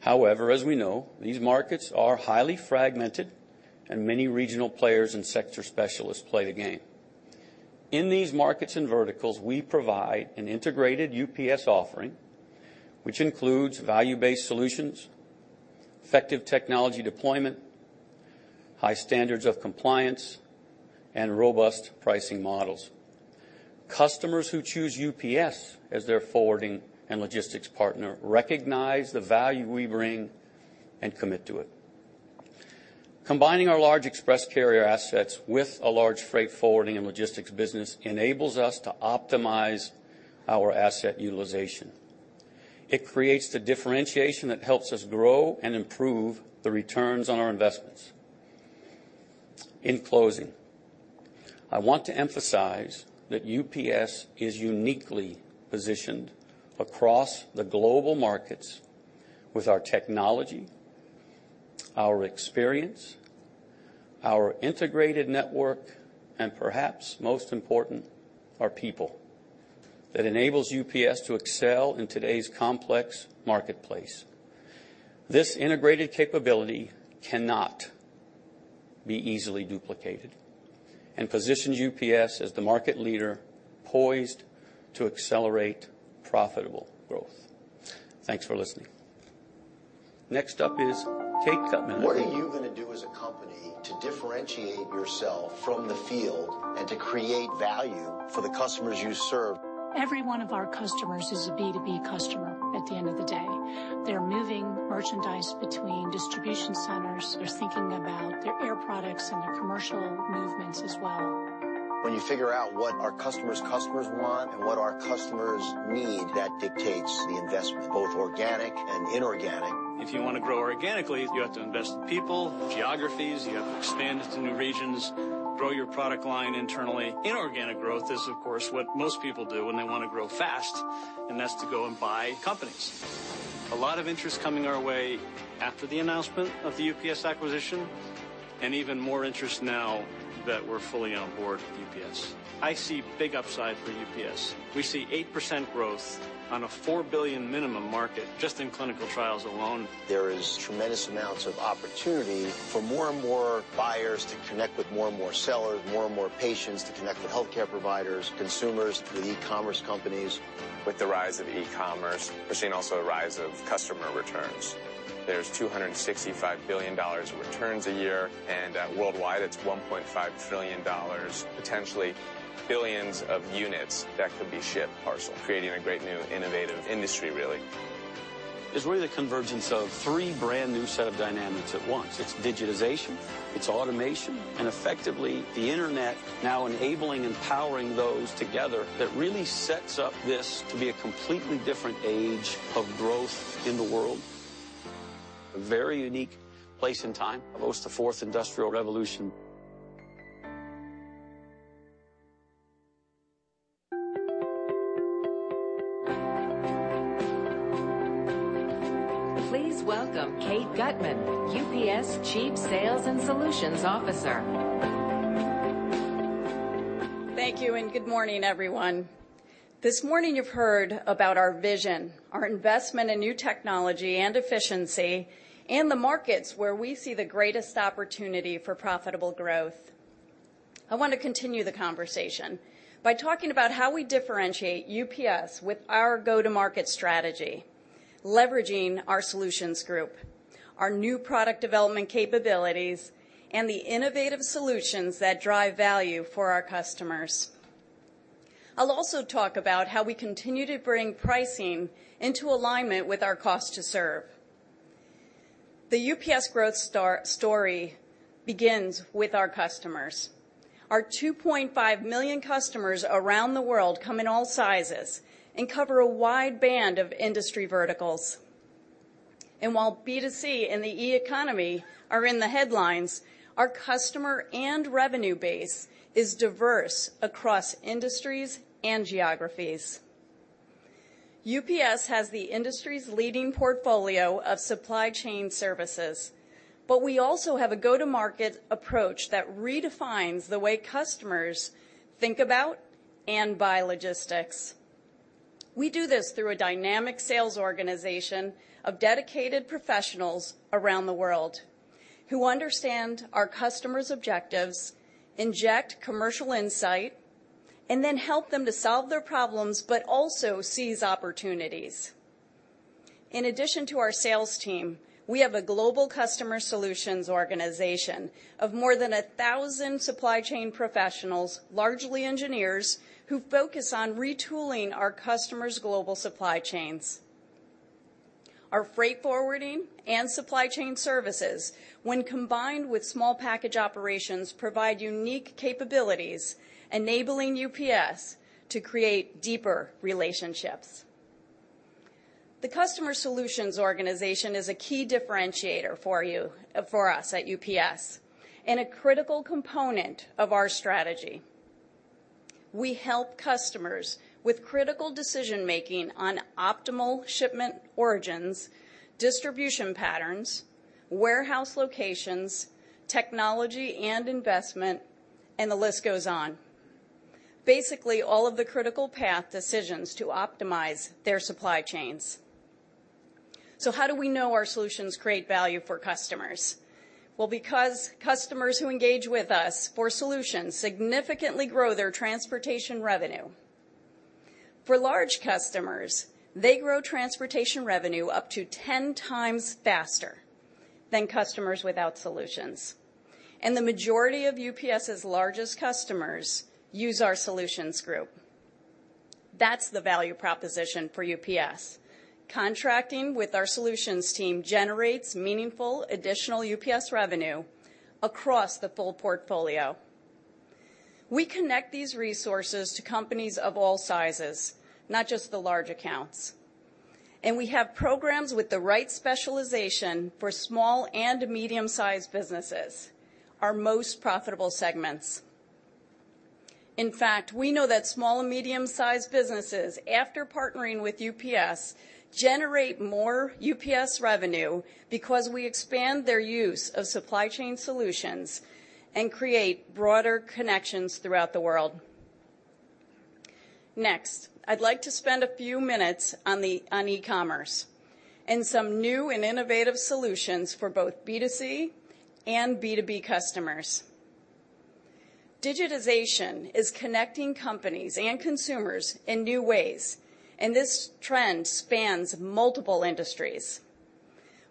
However, as we know, these markets are highly fragmented, and many regional players and sector specialists play the game. In these markets and verticals, we provide an integrated UPS offering, which includes value-based solutions, effective technology deployment, high standards of compliance, and robust pricing models. Customers who choose UPS as their forwarding and logistics partner recognize the value we bring and commit to it. Combining our large express carrier assets with a large freight forwarding and logistics business enables us to optimize our asset utilization. It creates the differentiation that helps us grow and improve the returns on our investments. In closing, I want to emphasize that UPS is uniquely positioned across the global markets with our technology, our experience, our integrated network, and perhaps most important, our people, that enables UPS to excel in today's complex marketplace. This integrated capability cannot be easily duplicated and positions UPS as the market leader poised to accelerate profitable growth. Thanks for listening. Next up is Kate Gutmann. What are you going to do as a company to differentiate yourself from the field and to create value for the customers you serve? Every one of our customers is a B2B customer at the end of the day. They're moving merchandise between distribution centers. They're thinking about their air products and their commercial movements as well. When you figure out what our customers' customers want and what our customers need, that dictates the investment, both organic and inorganic. If you want to grow organically, you have to invest in people, geographies. You have to expand into new regions, grow your product line internally. Inorganic growth is, of course, what most people do when they want to grow fast, and that's to go and buy companies. A lot of interest coming our way after the announcement of the UPS acquisition, and even more interest now that we're fully on board with UPS. I see big upside for UPS. We see 8% growth on a $4 billion minimum market just in clinical trials alone. There is tremendous amounts of opportunity for more and more buyers to connect with more and more sellers, more and more patients to connect with healthcare providers, consumers to the e-commerce companies. With the rise of e-commerce, we're seeing also a rise of customer returns. There's $265 billion in returns a year, worldwide, it's $1.5 trillion, potentially billions of units that could be shipped parcel, creating a great new innovative industry, really. It's really the convergence of three brand new set of dynamics at once. It's digitization, it's automation, effectively, the internet now enabling and powering those together that really sets up this to be a completely different age of growth in the world. A very unique place and time. It's the Fourth Industrial Revolution. Please welcome Kate Gutmann, UPS Chief Sales and Solutions Officer. Thank you. Good morning, everyone. This morning, you've heard about our vision, our investment in new technology and efficiency, and the markets where we see the greatest opportunity for profitable growth. I want to continue the conversation by talking about how we differentiate UPS with our go-to-market strategy, leveraging our solutions group, our new product development capabilities, and the innovative solutions that drive value for our customers. I'll also talk about how we continue to bring pricing into alignment with our cost to serve. The UPS growth story begins with our customers. Our 2.5 million customers around the world come in all sizes and cover a wide band of industry verticals. While B2C and the e-economy are in the headlines, our customer and revenue base is diverse across industries and geographies. UPS has the industry's leading portfolio of supply chain services. We also have a go-to-market approach that redefines the way customers think about and buy logistics. We do this through a dynamic sales organization of dedicated professionals around the world who understand our customers' objectives, inject commercial insight, and then help them to solve their problems, but also seize opportunities. In addition to our sales team, we have a global customer solutions organization of more than 1,000 supply chain professionals, largely engineers, who focus on retooling our customers' global supply chains. Our freight forwarding and supply chain services, when combined with small package operations, provide unique capabilities enabling UPS to create deeper relationships. The customer solutions organization is a key differentiator for us at UPS and a critical component of our strategy. We help customers with critical decision-making on optimal shipment origins, distribution patterns, warehouse locations, technology and investment, and the list goes on. Basically, all of the critical path decisions to optimize their supply chains. How do we know our solutions create value for customers? Well, because customers who engage with us for solutions significantly grow their transportation revenue. For large customers, they grow transportation revenue up to 10 times faster than customers without solutions. The majority of UPS's largest customers use our solutions group. That's the value proposition for UPS. Contracting with our solutions team generates meaningful additional UPS revenue across the full portfolio. We connect these resources to companies of all sizes, not just the large accounts. We have programs with the right specialization for small and medium-sized businesses, our most profitable segments. In fact, we know that small and medium-sized businesses, after partnering with UPS, generate more UPS revenue because we expand their use of supply chain solutions and create broader connections throughout the world. Next, I'd like to spend a few minutes on e-commerce and some new and innovative solutions for both B2C and B2B customers. Digitization is connecting companies and consumers in new ways. This trend spans multiple industries.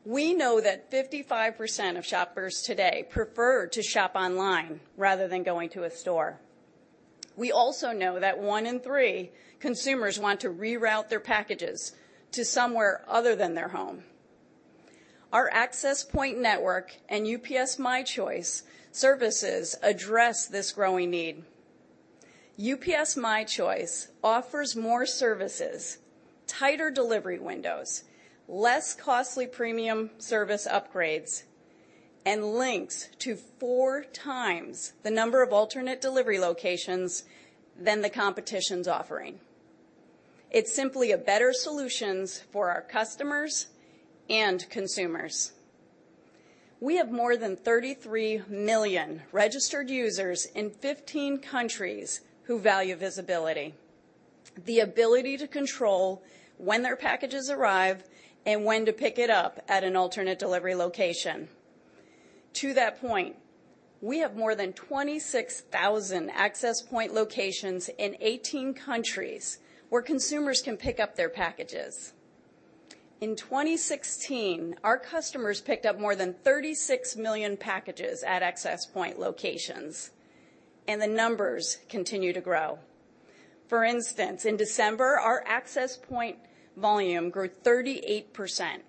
We know that 55% of shoppers today prefer to shop online rather than going to a store. We also know that one in three consumers want to reroute their packages to somewhere other than their home. Our UPS Access Point network and UPS My Choice services address this growing need. UPS My Choice offers more services, tighter delivery windows, less costly premium service upgrades, and links to four times the number of alternate delivery locations than the competition's offering. It's simply a better solution for our customers and consumers. We have more than 33 million registered users in 15 countries who value visibility, the ability to control when their packages arrive, and when to pick it up at an alternate delivery location. To that point, we have more than 26,000 UPS Access Point locations in 18 countries where consumers can pick up their packages. In 2016, our customers picked up more than 36 million packages at UPS Access Point locations, and the numbers continue to grow. For instance, in December, our UPS Access Point volume grew 38%.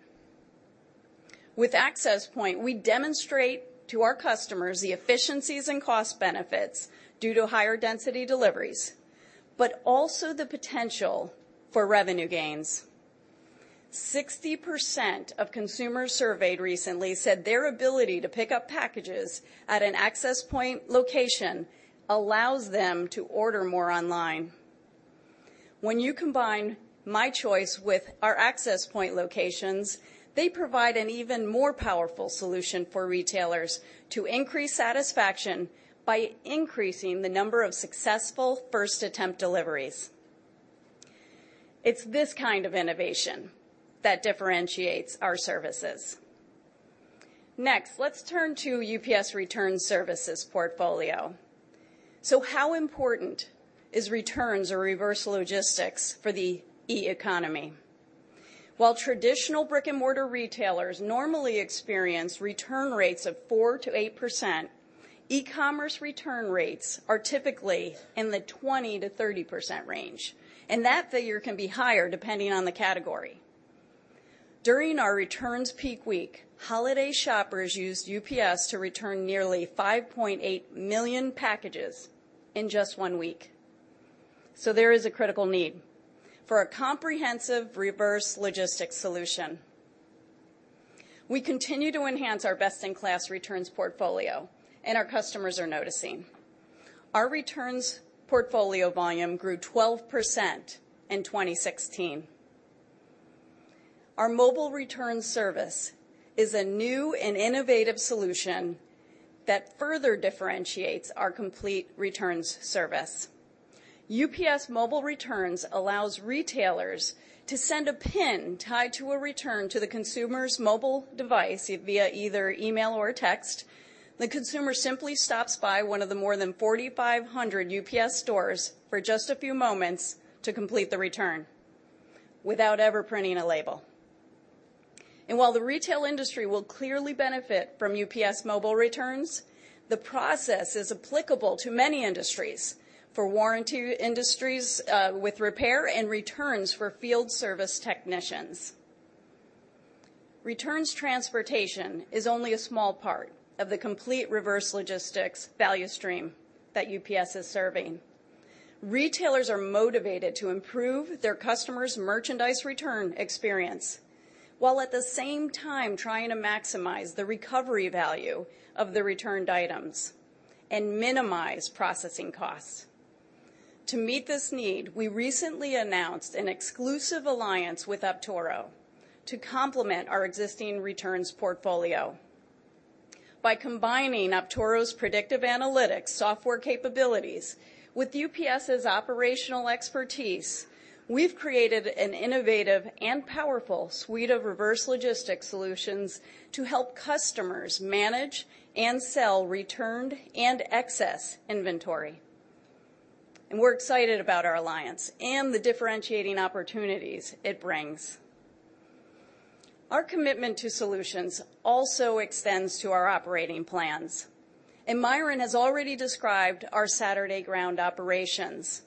With UPS Access Point, we demonstrate to our customers the efficiencies and cost benefits due to higher density deliveries, but also the potential for revenue gains. 60% of consumers surveyed recently said their ability to pick up packages at a UPS Access Point location allows them to order more online. When you combine UPS My Choice with our UPS Access Point locations, they provide an even more powerful solution for retailers to increase satisfaction by increasing the number of successful first attempt deliveries. It's this kind of innovation that differentiates our services. Next, let's turn to UPS Return Services portfolio. How important is returns or reverse logistics for the e-economy? While traditional brick-and-mortar retailers normally experience return rates of 4%-8%, e-commerce return rates are typically in the 20%-30% range, and that figure can be higher depending on the category. During our returns peak week, holiday shoppers used UPS to return nearly 5.8 million packages in just one week. There is a critical need for a comprehensive reverse logistics solution. We continue to enhance our best-in-class returns portfolio, and our customers are noticing. Our returns portfolio volume grew 12% in 2016. Our UPS Mobile Returns service is a new and innovative solution that further differentiates our complete returns service. UPS Mobile Returns allows retailers to send a pin tied to a return to the consumer's mobile device via either email or text. The consumer simply stops by one of the more than 4,500 The UPS Store locations for just a few moments to complete the return without ever printing a label. While the retail industry will clearly benefit from UPS Mobile Returns, the process is applicable to many industries, for warranty industries with repair and returns for field service technicians. Returns transportation is only a small part of the complete reverse logistics value stream that UPS is serving. Retailers are motivated to improve their customers' merchandise return experience, while at the same time trying to maximize the recovery value of the returned items and minimize processing costs. To meet this need, we recently announced an exclusive alliance with Optoro to complement our existing returns portfolio. By combining Optoro's predictive analytics software capabilities with UPS's operational expertise, we've created an innovative and powerful suite of reverse logistics solutions to help customers manage and sell returned and excess inventory. We're excited about our alliance and the differentiating opportunities it brings. Our commitment to solutions also extends to our operating plans, and Myron has already described our Saturday ground operations.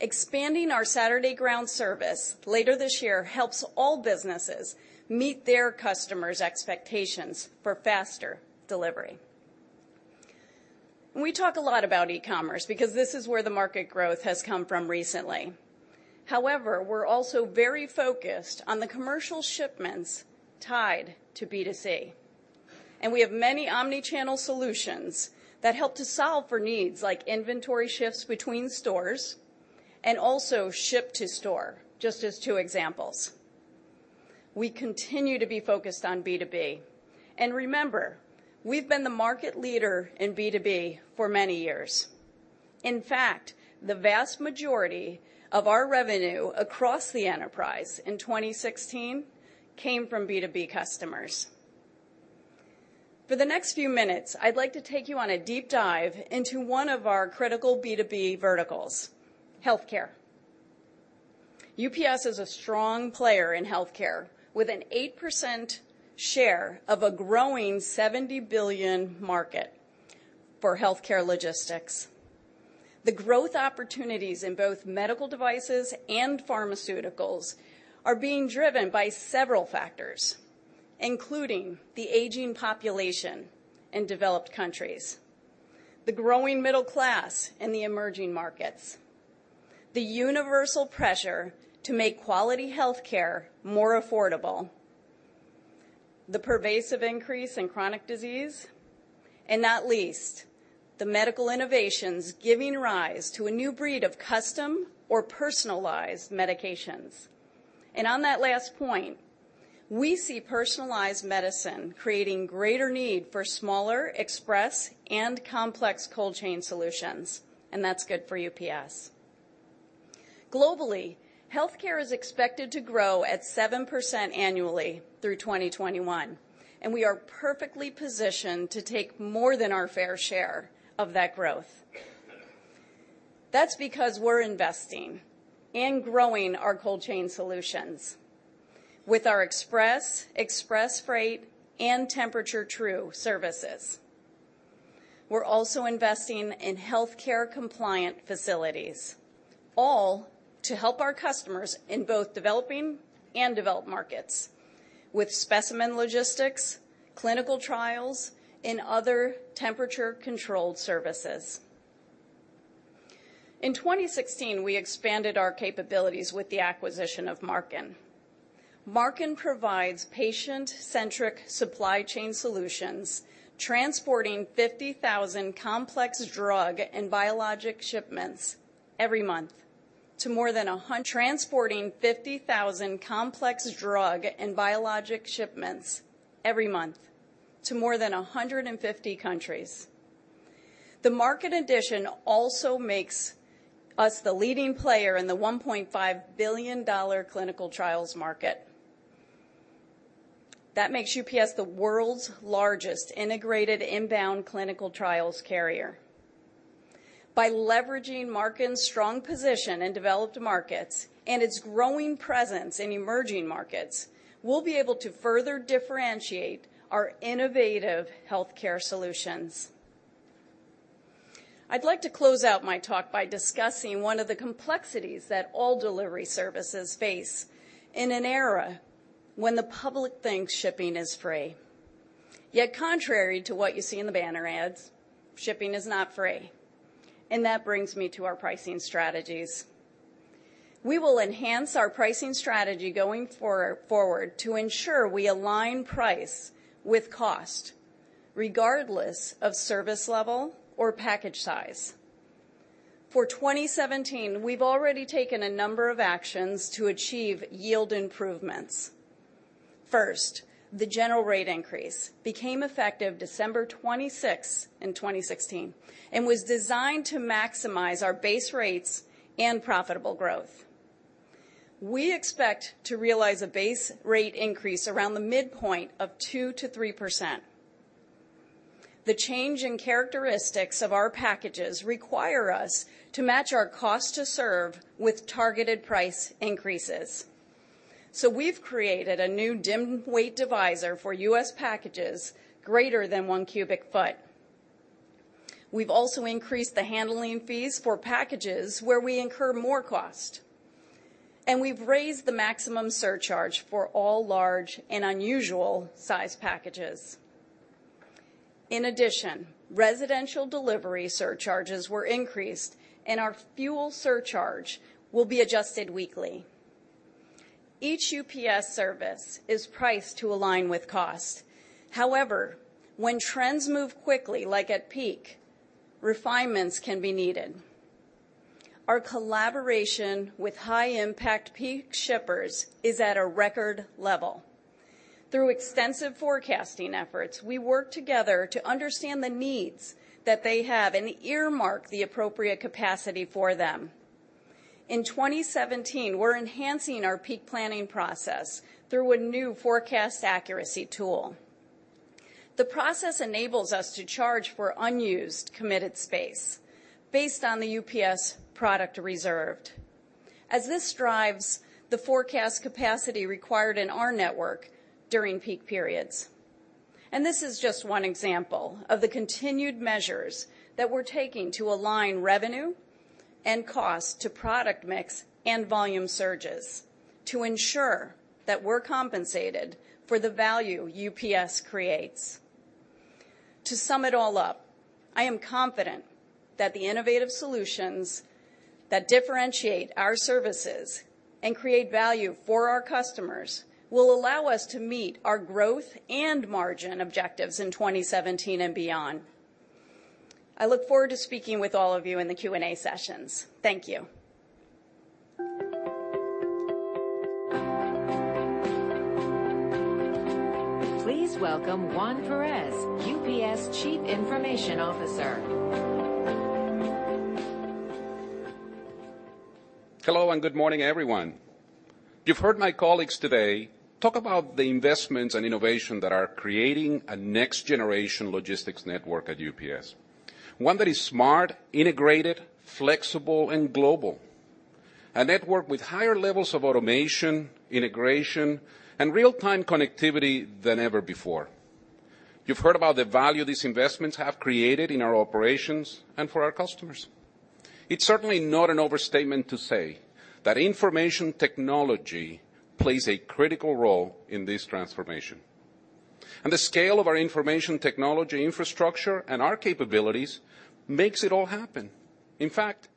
Expanding our Saturday ground service later this year helps all businesses meet their customers' expectations for faster delivery. We talk a lot about e-commerce because this is where the market growth has come from recently. We're also very focused on the commercial shipments tied to B2C. We have many omni-channel solutions that help to solve for needs like inventory shifts between stores, and also ship to store, just as two examples. We continue to be focused on B2B. Remember, we've been the market leader in B2B for many years. In fact, the vast majority of our revenue across the enterprise in 2016 came from B2B customers. For the next few minutes, I'd like to take you on a deep dive into one of our critical B2B verticals, healthcare. UPS is a strong player in healthcare, with an 8% share of a growing $70 billion market for healthcare logistics. The growth opportunities in both medical devices and pharmaceuticals are being driven by several factors, including the aging population in developed countries, the growing middle class in the emerging markets, the universal pressure to make quality healthcare more affordable, the pervasive increase in chronic disease, and not least, the medical innovations giving rise to a new breed of custom or personalized medications. On that last point, we see personalized medicine creating greater need for smaller express and complex cold chain solutions, and that's good for UPS. Globally, healthcare is expected to grow at 7% annually through 2021, and we are perfectly positioned to take more than our fair share of that growth. That's because we're investing and growing our cold chain solutions with our Express, express freight, and UPS Temperature True services. We're also investing in healthcare compliant facilities, all to help our customers in both developing and developed markets with specimen logistics, clinical trials, and other temperature-controlled services. In 2016, we expanded our capabilities with the acquisition of Marken. Marken provides patient-centric supply chain solutions, transporting 50,000 complex drug and biologic shipments every month to more than 150 countries. The Marken addition also makes us the leading player in the $1.5 billion clinical trials market. That makes UPS the world's largest integrated inbound clinical trials carrier. By leveraging Marken's strong position in developed markets and its growing presence in emerging markets, we'll be able to further differentiate our innovative healthcare solutions. I'd like to close out my talk by discussing one of the complexities that all delivery services face in an era when the public thinks shipping is free. Contrary to what you see in the banner ads, shipping is not free, and that brings me to our pricing strategies. We will enhance our pricing strategy going forward to ensure we align price with cost, regardless of service level or package size. For 2017, we've already taken a number of actions to achieve yield improvements. First, the general rate increase became effective December 26, 2016 and was designed to maximize our base rates and profitable growth. We expect to realize a base rate increase around the midpoint of 2%-3%. The change in characteristics of our packages require us to match our cost to serve with targeted price increases. We've created a new dim weight divisor for U.S. packages greater than one cubic foot. We've also increased the handling fees for packages where we incur more cost, and we've raised the maximum surcharge for all large and unusual size packages. In addition, residential delivery surcharges were increased, and our fuel surcharge will be adjusted weekly. Each UPS service is priced to align with cost. When trends move quickly, like at peak, refinements can be needed. Our collaboration with high impact peak shippers is at a record level. Through extensive forecasting efforts, we work together to understand the needs that they have and earmark the appropriate capacity for them. In 2017, we're enhancing our peak planning process through a new forecast accuracy tool. The process enables us to charge for unused committed space based on the UPS product reserved, as this drives the forecast capacity required in our network during peak periods. This is just one example of the continued measures that we're taking to align revenue and cost to product mix and volume surges to ensure that we're compensated for the value UPS creates. To sum it all up, I am confident that the innovative solutions that differentiate our services and create value for our customers will allow us to meet our growth and margin objectives in 2017 and beyond. I look forward to speaking with all of you in the Q&A sessions. Thank you. Please welcome Juan Perez, UPS Chief Information Officer. Hello, and good morning, everyone. You've heard my colleagues today talk about the investments and innovation that are creating a next generation logistics network at UPS. One that is smart, integrated, flexible, and global. A network with higher levels of automation, integration, and real-time connectivity than ever before. You've heard about the value these investments have created in our operations and for our customers. It's certainly not an overstatement to say that information technology plays a critical role in this transformation. The scale of our information technology infrastructure and our capabilities makes it all happen. In fact,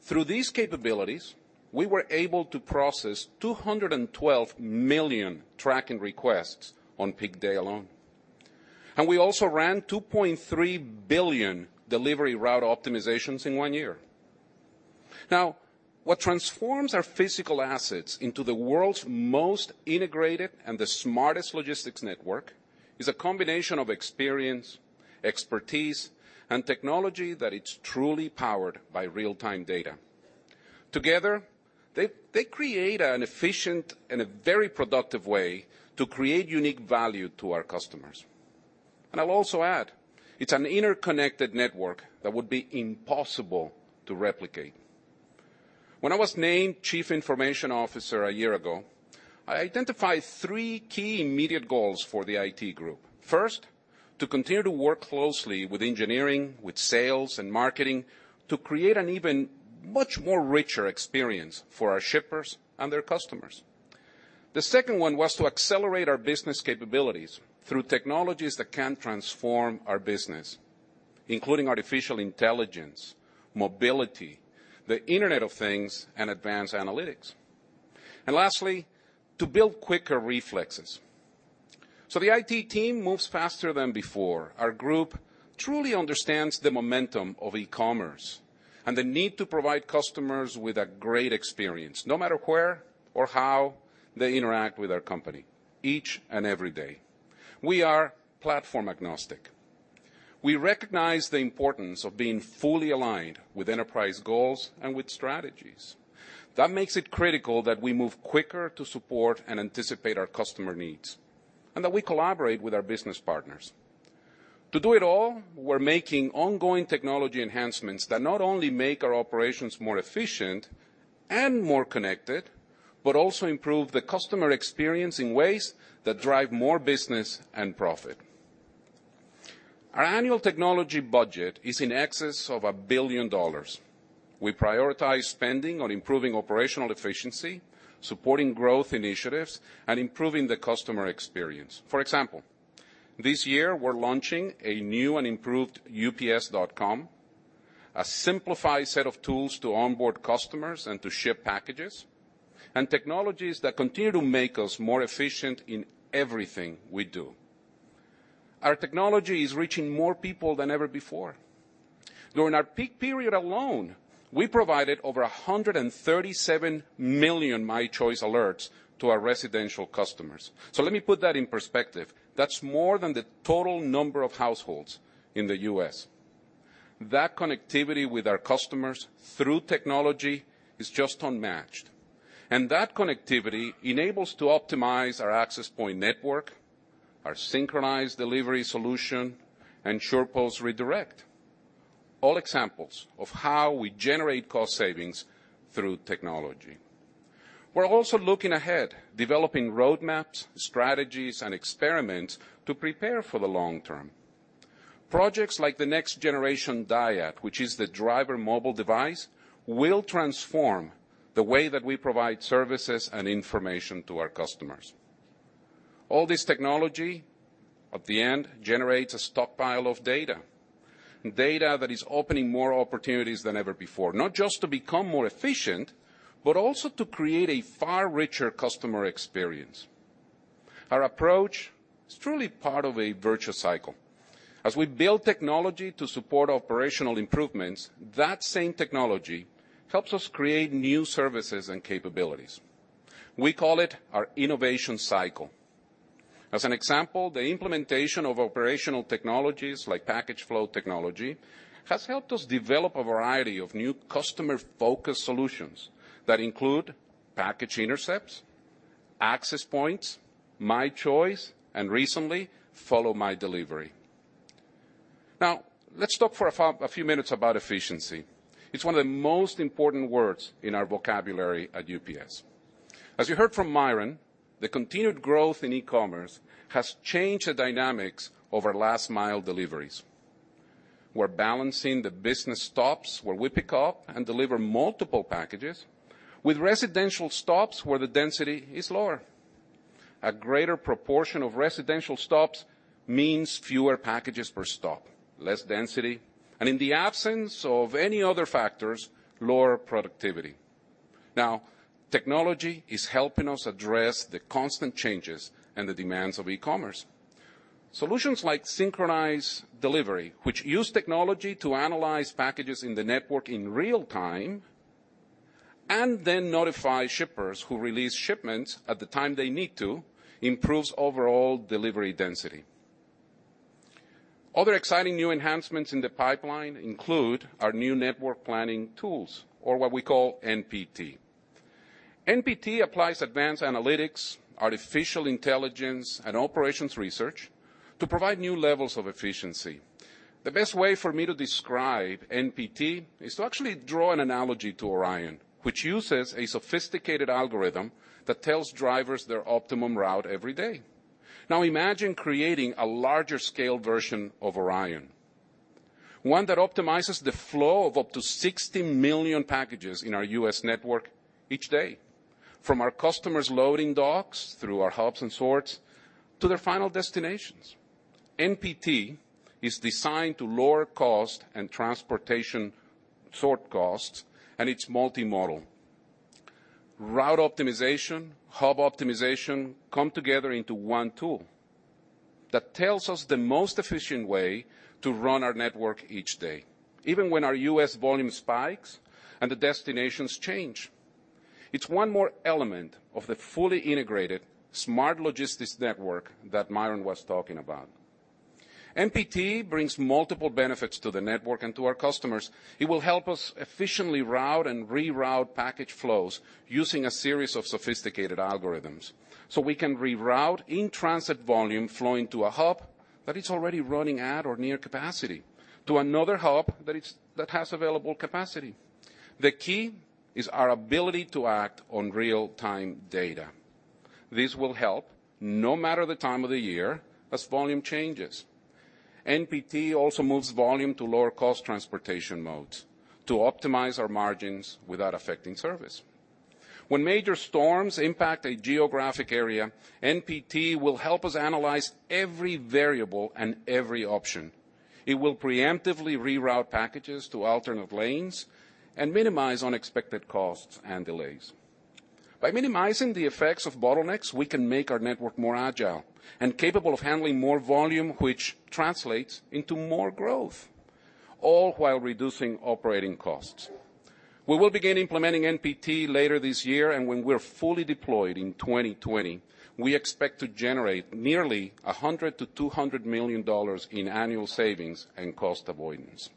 through these capabilities, we were able to process 212 million tracking requests on peak day alone. And we also ran 2.3 billion delivery route optimizations in one year. What transforms our physical assets into the world's most integrated and the smartest logistics network is a combination of experience, expertise, and technology that it's truly powered by real-time data. Together, they create an efficient and a very productive way to create unique value to our customers. I'll also add, it's an interconnected network that would be impossible to replicate. When I was named Chief Information Officer a year ago, I identified three key immediate goals for the IT group. First, to continue to work closely with engineering, with sales, and marketing to create an even much more richer experience for our shippers and their customers. The second one was to accelerate our business capabilities through technologies that can transform our business, including artificial intelligence, mobility, the Internet of Things, and advanced analytics. Lastly, to build quicker reflexes. The IT team moves faster than before. Our group truly understands the momentum of e-commerce and the need to provide customers with a great experience, no matter where or how they interact with our company each and every day. We are platform agnostic. We recognize the importance of being fully aligned with enterprise goals and with strategies. That makes it critical that we move quicker to support and anticipate our customer needs, and that we collaborate with our business partners. To do it all, we're making ongoing technology enhancements that not only make our operations more efficient and more connected, but also improve the customer experience in ways that drive more business and profit. Our annual technology budget is in excess of $1 billion. We prioritize spending on improving operational efficiency, supporting growth initiatives, and improving the customer experience. For example, this year we're launching a new and improved ups.com, a simplified set of tools to onboard customers and to ship packages, and technologies that continue to make us more efficient in everything we do. Our technology is reaching more people than ever before. During our peak period alone, we provided over 137 million My Choice alerts to our residential customers. So let me put that in perspective. That's more than the total number of households in the U.S. That connectivity with our customers through technology is just unmatched. That connectivity enables to optimize our Access Point network, our synchronized delivery solution, and SurePost Redirect. All examples of how we generate cost savings through technology. We're also looking ahead, developing roadmaps, strategies, and experiments to prepare for the long term. Projects like the next generation DIAD, which is the driver mobile device, will transform the way that we provide services and information to our customers. All this technology, at the end, generates a stockpile of data. Data that is opening more opportunities than ever before, not just to become more efficient, but also to create a far richer customer experience. Our approach is truly part of a virtual cycle. As we build technology to support operational improvements, that same technology helps us create new services and capabilities. We call it our innovation cycle. As an example, the implementation of operational technologies like Package Flow Technology, has helped us develop a variety of new customer-focused solutions that include package intercepts, Access Points, My Choice, and recently, Follow My Delivery. Let's talk for a few minutes about efficiency. It's one of the most important words in our vocabulary at UPS. As you heard from Myron, the continued growth in e-commerce has changed the dynamics of our last mile deliveries. We're balancing the business stops, where we pick up and deliver multiple packages, with residential stops where the density is lower. A greater proportion of residential stops means fewer packages per stop, less density, and in the absence of any other factors, lower productivity. Now, technology is helping us address the constant changes and the demands of e-commerce. Solutions like synchronized delivery, which use technology to analyze packages in the network in real time, and then notify shippers who release shipments at the time they need to, improves overall delivery density. Other exciting new enhancements in the pipeline include our new network planning tools, or what we call NPT. NPT applies advanced analytics, artificial intelligence, and operations research to provide new levels of efficiency. The best way for me to describe NPT is to actually draw an analogy to ORION, which uses a sophisticated algorithm that tells drivers their optimum route every day. Now imagine creating a larger scale version of ORION, one that optimizes the flow of up to 60 million packages in our U.S. network each day, from our customers' loading docks, through our hubs and sorts, to their final destinations. NPT is designed to lower cost and transportation sort costs, and it's multimodal. Route optimization, hub optimization, come together into one tool that tells us the most efficient way to run our network each day, even when our U.S. volume spikes and the destinations change. It's one more element of the fully integrated smart logistics network that Myron was talking about. NPT brings multiple benefits to the network and to our customers. It will help us efficiently route and reroute package flows using a series of sophisticated algorithms. We can reroute in-transit volume flowing to a hub that is already running at or near capacity to another hub that has available capacity. The key is our ability to act on real-time data. This will help, no matter the time of the year, as volume changes. NPT also moves volume to lower cost transportation modes to optimize our margins without affecting service. When major storms impact a geographic area, NPT will help us analyze every variable and every option. It will preemptively reroute packages to alternate lanes and minimize unexpected costs and delays. By minimizing the effects of bottlenecks, we can make our network more agile and capable of handling more volume, which translates into more growth, all while reducing operating costs. We will begin implementing NPT later this year, when we're fully deployed in 2020, we expect to generate nearly $100 million-$200 million in annual savings and cost avoidance.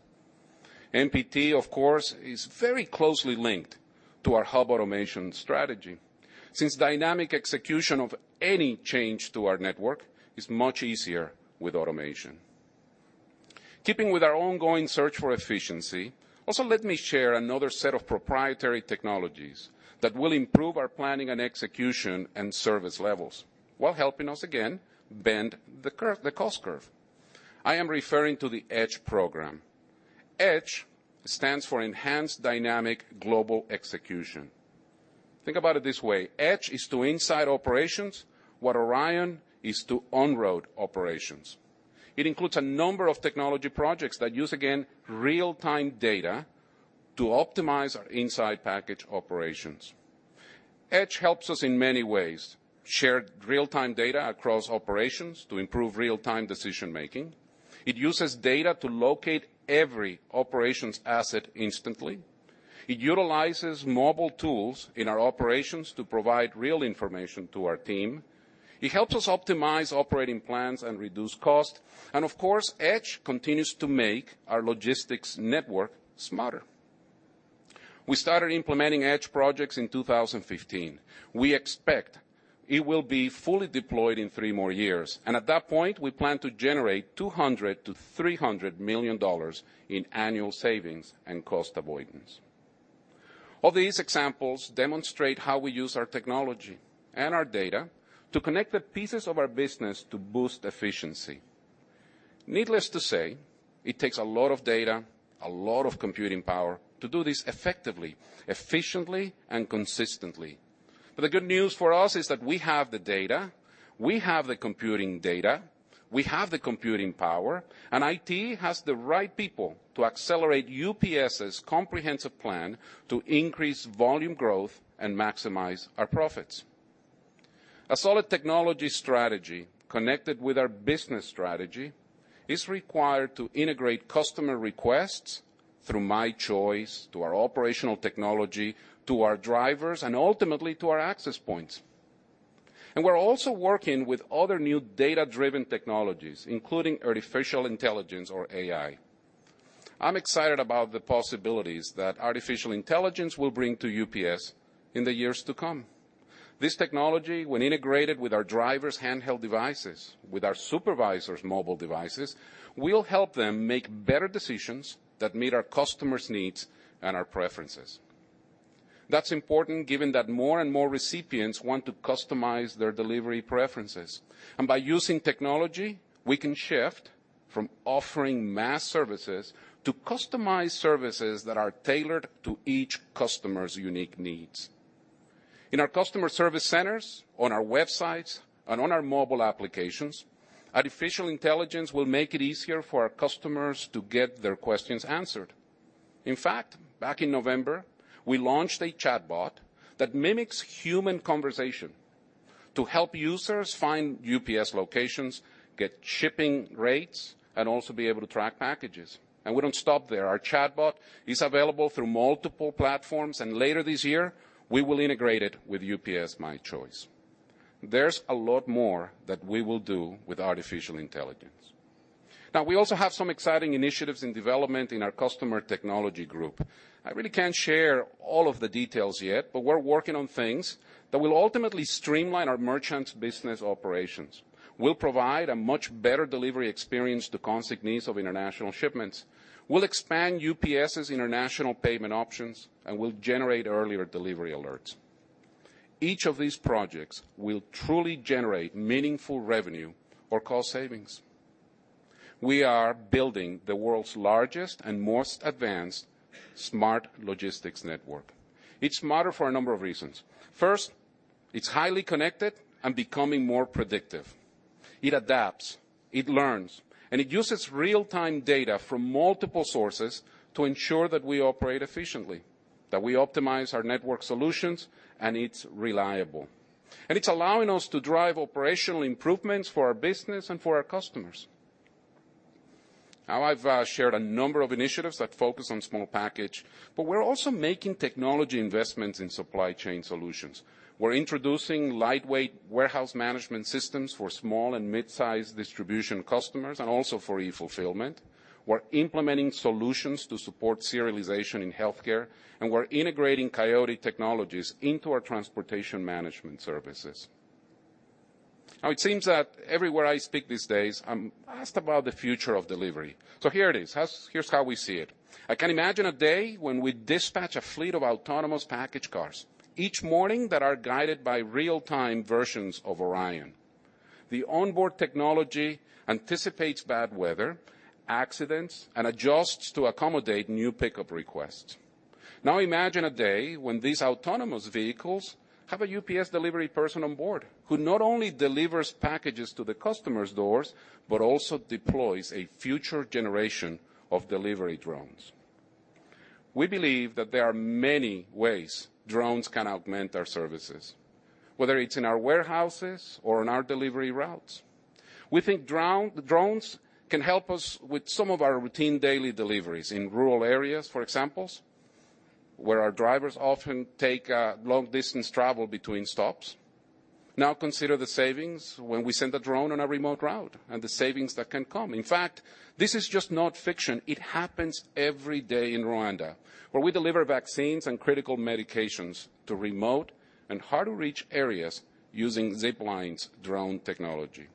NPT, of course, is very closely linked to our hub automation strategy, since dynamic execution of any change to our network is much easier with automation. Keeping with our ongoing search for efficiency, also let me share another set of proprietary technologies that will improve our planning and execution and service levels while helping us, again, bend the curve, the cost curve. I am referring to the EDGE program. EDGE stands for Enhanced Dynamic Global Execution. Think about it this way. EDGE is to inside operations what ORION is to on-road operations. It includes a number of technology projects that use, again, real-time data to optimize our inside package operations. EDGE helps us in many ways. Share real-time data across operations to improve real-time decision-making. It uses data to locate every operations asset instantly. It utilizes mobile tools in our operations to provide real information to our team. It helps us optimize operating plans and reduce costs. Of course, EDGE continues to make our logistics network smarter. We started implementing EDGE projects in 2015. We expect it will be fully deployed in three more years, and at that point, we plan to generate $200 million to $300 million in annual savings and cost avoidance. All these examples demonstrate how we use our technology and our data to connect the pieces of our business to boost efficiency. Needless to say, it takes a lot of data, a lot of computing power to do this effectively, efficiently, and consistently. The good news for us is that we have the data, we have the computing data, we have the computing power, and IT has the right people to accelerate UPS's comprehensive plan to increase volume growth and maximize our profits. A solid technology strategy connected with our business strategy is required to integrate customer requests through My Choice to our operational technology, to our drivers, and ultimately, to our Access Points. We're also working with other new data-driven technologies, including artificial intelligence or AI. I'm excited about the possibilities that artificial intelligence will bring to UPS in the years to come. This technology, when integrated with our drivers' handheld devices, with our supervisors' mobile devices, will help them make better decisions that meet our customers' needs and our preferences. That's important given that more and more recipients want to customize their delivery preferences. By using technology, we can shift from offering mass services to customized services that are tailored to each customer's unique needs. In our customer service centers, on our websites, and on our mobile applications, artificial intelligence will make it easier for our customers to get their questions answered. In fact, back in November, we launched a chatbot that mimics human conversation to help users find UPS locations, get shipping rates, and also be able to track packages. We don't stop there. Our chatbot is available through multiple platforms, and later this year, we will integrate it with UPS My Choice. There's a lot more that we will do with artificial intelligence. We also have some exciting initiatives in development in our customer technology group. I really can't share all of the details yet, but we're working on things that will ultimately streamline our merchants' business operations. We'll provide a much better delivery experience to consignees of international shipments. We'll expand UPS's international payment options, and we'll generate earlier delivery alerts. Each of these projects will truly generate meaningful revenue or cost savings. We are building the world's largest and most advanced smart logistics network. It's smarter for a number of reasons. First, it's highly connected and becoming more predictive. It adapts, it learns, and it uses real-time data from multiple sources to ensure that we operate efficiently, that we optimize our network solutions, and it's reliable. It's allowing us to drive operational improvements for our business and for our customers. I've shared a number of initiatives that focus on small package, but we're also making technology investments in supply chain solutions. We're introducing lightweight warehouse management systems for small and mid-size distribution customers and also for e-fulfillment. We're implementing solutions to support serialization in healthcare, we're integrating Coyote technologies into our transportation management services. It seems that everywhere I speak these days, I'm asked about the future of delivery. Here it is. Here's how we see it. I can imagine a day when we dispatch a fleet of autonomous package cars each morning that are guided by real-time versions of ORION. The onboard technology anticipates bad weather, accidents, and adjusts to accommodate new pickup requests. Imagine a day when these autonomous vehicles have a UPS delivery person on board who not only delivers packages to the customer's doors but also deploys a future generation of delivery drones. We believe that there are many ways drones can augment our services, whether it's in our warehouses or on our delivery routes. We think drones can help us with some of our routine daily deliveries in rural areas, for example, where our drivers often take a long-distance travel between stops. Consider the savings when we send a drone on a remote route and the savings that can come. In fact, this is just not fiction. It happens every day in Rwanda, where we deliver vaccines and critical medications to remote and hard-to-reach areas using Zipline's drone technology.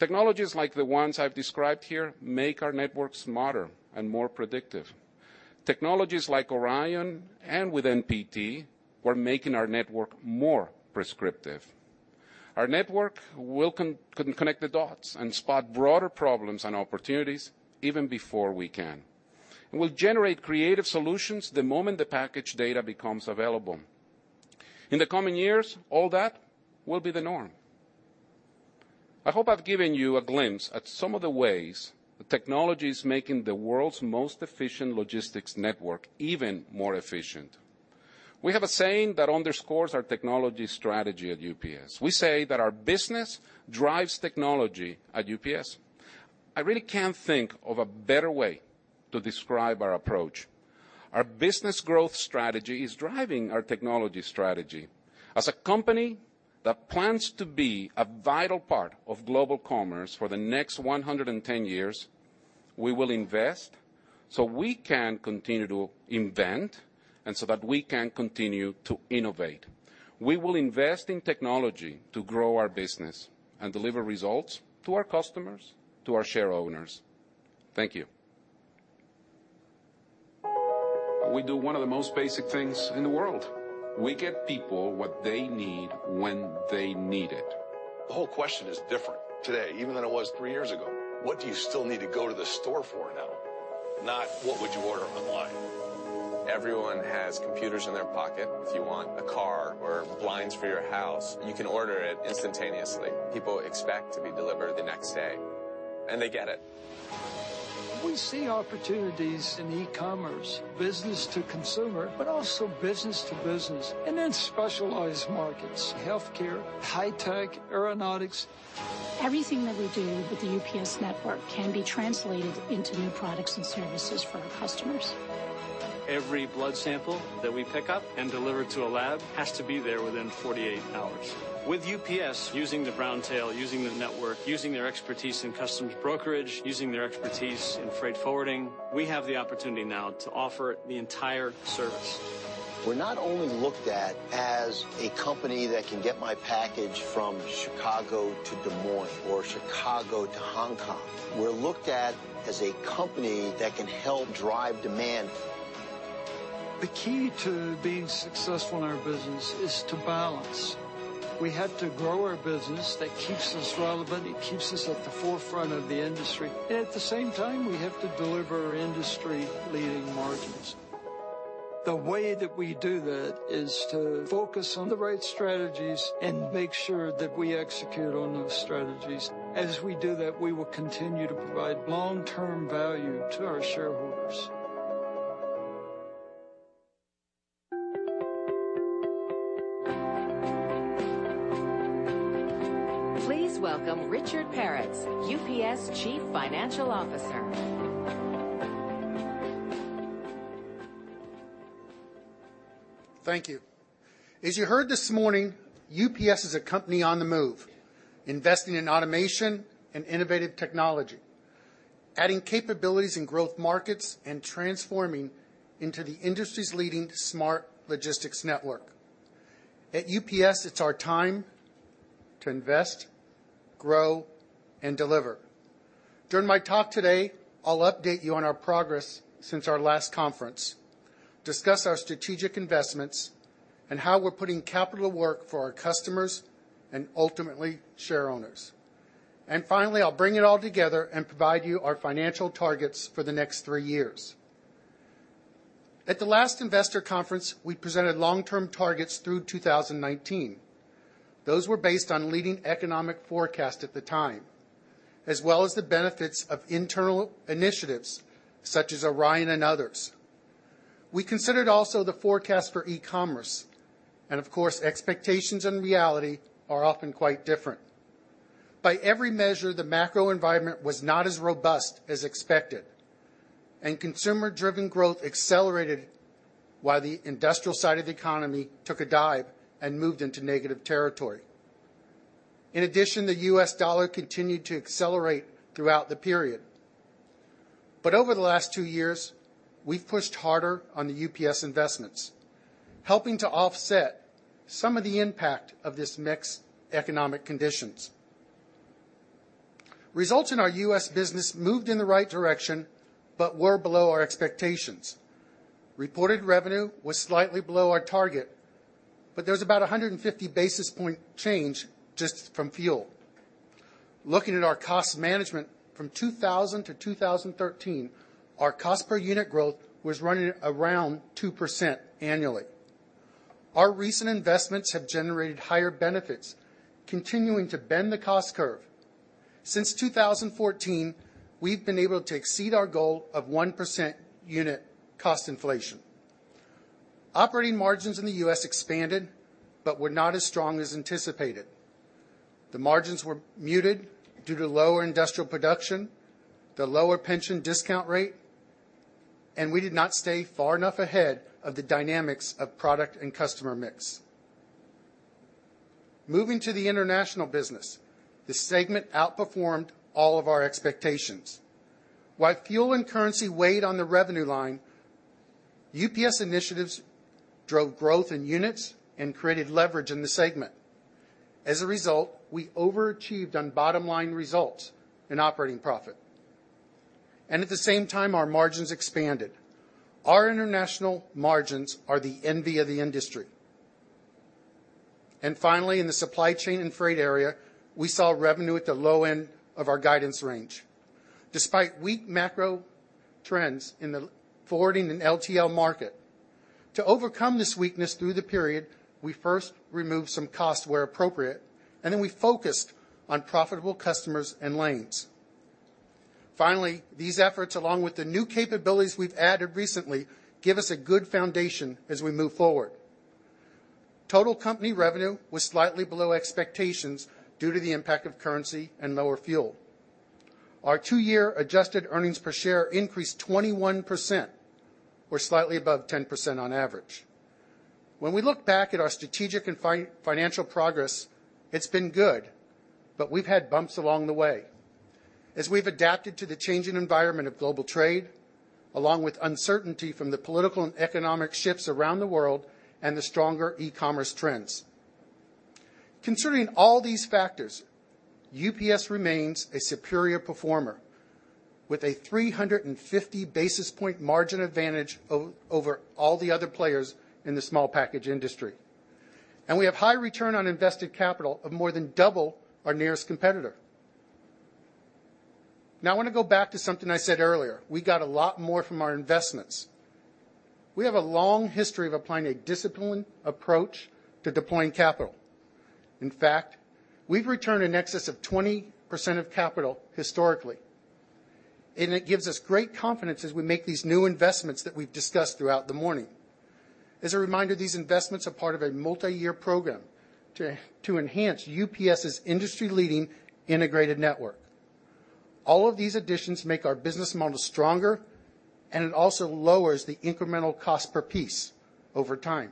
Technologies like the ones I've described here make our network smarter and more predictive. Technologies like ORION and with NPT, we're making our network more prescriptive. Our network will connect the dots and spot broader problems and opportunities even before we can, and will generate creative solutions the moment the package data becomes available. In the coming years, all that will be the norm. I hope I've given you a glimpse at some of the ways that technology is making the world's most efficient logistics network even more efficient. We have a saying that underscores our technology strategy at UPS. We say that our business drives technology at UPS. I really can't think of a better way to describe our approach. Our business growth strategy is driving our technology strategy. As a company that plans to be a vital part of global commerce for the next 110 years, we will invest so we can continue to invent and so that we can continue to innovate. We will invest in technology to grow our business and deliver results to our customers, to our shareowners. Thank you. We do one of the most basic things in the world. We get people what they need when they need it. The whole question is different today, even than it was three years ago. What do you still need to go to the store for now? Not what would you order online. Everyone has computers in their pocket. If you want a car or blinds for your house, you can order it instantaneously. People expect to be delivered the next day, and they get it. We see opportunities in e-commerce, business to consumer, but also business to business, and then specialized markets, healthcare, high tech, aeronautics. Everything that we do with the UPS network can be translated into new products and services for our customers. Every blood sample that we pick up and deliver to a lab has to be there within 48 hours. With UPS using the browntail, using the network, using their expertise in customs brokerage, using their expertise in freight forwarding, we have the opportunity now to offer the entire service. We're not only looked at as a company that can get my package from Chicago to Des Moines or Chicago to Hong Kong. We're looked at as a company that can help drive demand. The key to being successful in our business is to balance. We have to grow our business. That keeps us relevant, it keeps us at the forefront of the industry, at the same time, we have to deliver industry-leading margins. The way that we do that is to focus on the right strategies and make sure that we execute on those strategies. As we do that, we will continue to provide long-term value to our shareholders. Please welcome Richard Peretz, UPS Chief Financial Officer. Thank you. As you heard this morning, UPS is a company on the move, investing in automation and innovative technology, adding capabilities in growth markets, transforming into the industry's leading smart logistics network. At UPS, it's our time to invest, grow, and deliver. During my talk today, I'll update you on our progress since our last conference, discuss our strategic investments, how we're putting capital to work for our customers and ultimately shareowners. Finally, I'll bring it all together and provide you our financial targets for the next three years. At the last investor conference, we presented long-term targets through 2019. Those were based on leading economic forecast at the time, as well as the benefits of internal initiatives such as ORION and others. We considered also the forecast for e-commerce, of course, expectations and reality are often quite different. By every measure, the macro environment was not as robust as expected, and consumer-driven growth accelerated while the industrial side of the economy took a dive and moved into negative territory. In addition, the U.S. dollar continued to accelerate throughout the period. Over the last two years, we've pushed harder on the UPS investments, helping to offset some of the impact of this mixed economic conditions. Results in our U.S. business moved in the right direction, but were below our expectations. Reported revenue was slightly below our target, but there was about 150 basis point change just from fuel. Looking at our cost management from 2000 to 2013, our cost per unit growth was running around 2% annually. Our recent investments have generated higher benefits, continuing to bend the cost curve. Since 2014, we've been able to exceed our goal of 1% unit cost inflation. Operating margins in the U.S. expanded but were not as strong as anticipated. The margins were muted due to lower industrial production, the lower pension discount rate, and we did not stay far enough ahead of the dynamics of product and customer mix. Moving to the international business, this segment outperformed all of our expectations. While fuel and currency weighed on the revenue line, UPS initiatives drove growth in units and created leverage in the segment. As a result, we overachieved on bottom-line results in operating profit, and at the same time, our margins expanded. Our international margins are the envy of the industry. Finally, in the supply chain and freight area, we saw revenue at the low end of our guidance range, despite weak macro trends in the forwarding and LTL market. To overcome this weakness through the period, we first removed some cost where appropriate, and then we focused on profitable customers and lanes. Finally, these efforts, along with the new capabilities we've added recently, give us a good foundation as we move forward. Total company revenue was slightly below expectations due to the impact of currency and lower fuel. Our two-year adjusted earnings per share increased 21%, or slightly above 10% on average. When we look back at our strategic and financial progress, it's been good, but we've had bumps along the way. As we've adapted to the changing environment of global trade, along with uncertainty from the political and economic shifts around the world, and the stronger e-commerce trends. Concerning all these factors, UPS remains a superior performer with a 350 basis point margin advantage over all the other players in the small package industry, and we have high return on invested capital of more than double our nearest competitor. Now I want to go back to something I said earlier. We got a lot more from our investments. We have a long history of applying a disciplined approach to deploying capital. In fact, we've returned in excess of 20% of capital historically, and it gives us great confidence as we make these new investments that we've discussed throughout the morning. As a reminder, these investments are part of a multi-year program to enhance UPS's industry-leading integrated network. All of these additions make our business model stronger, and it also lowers the incremental cost per piece over time.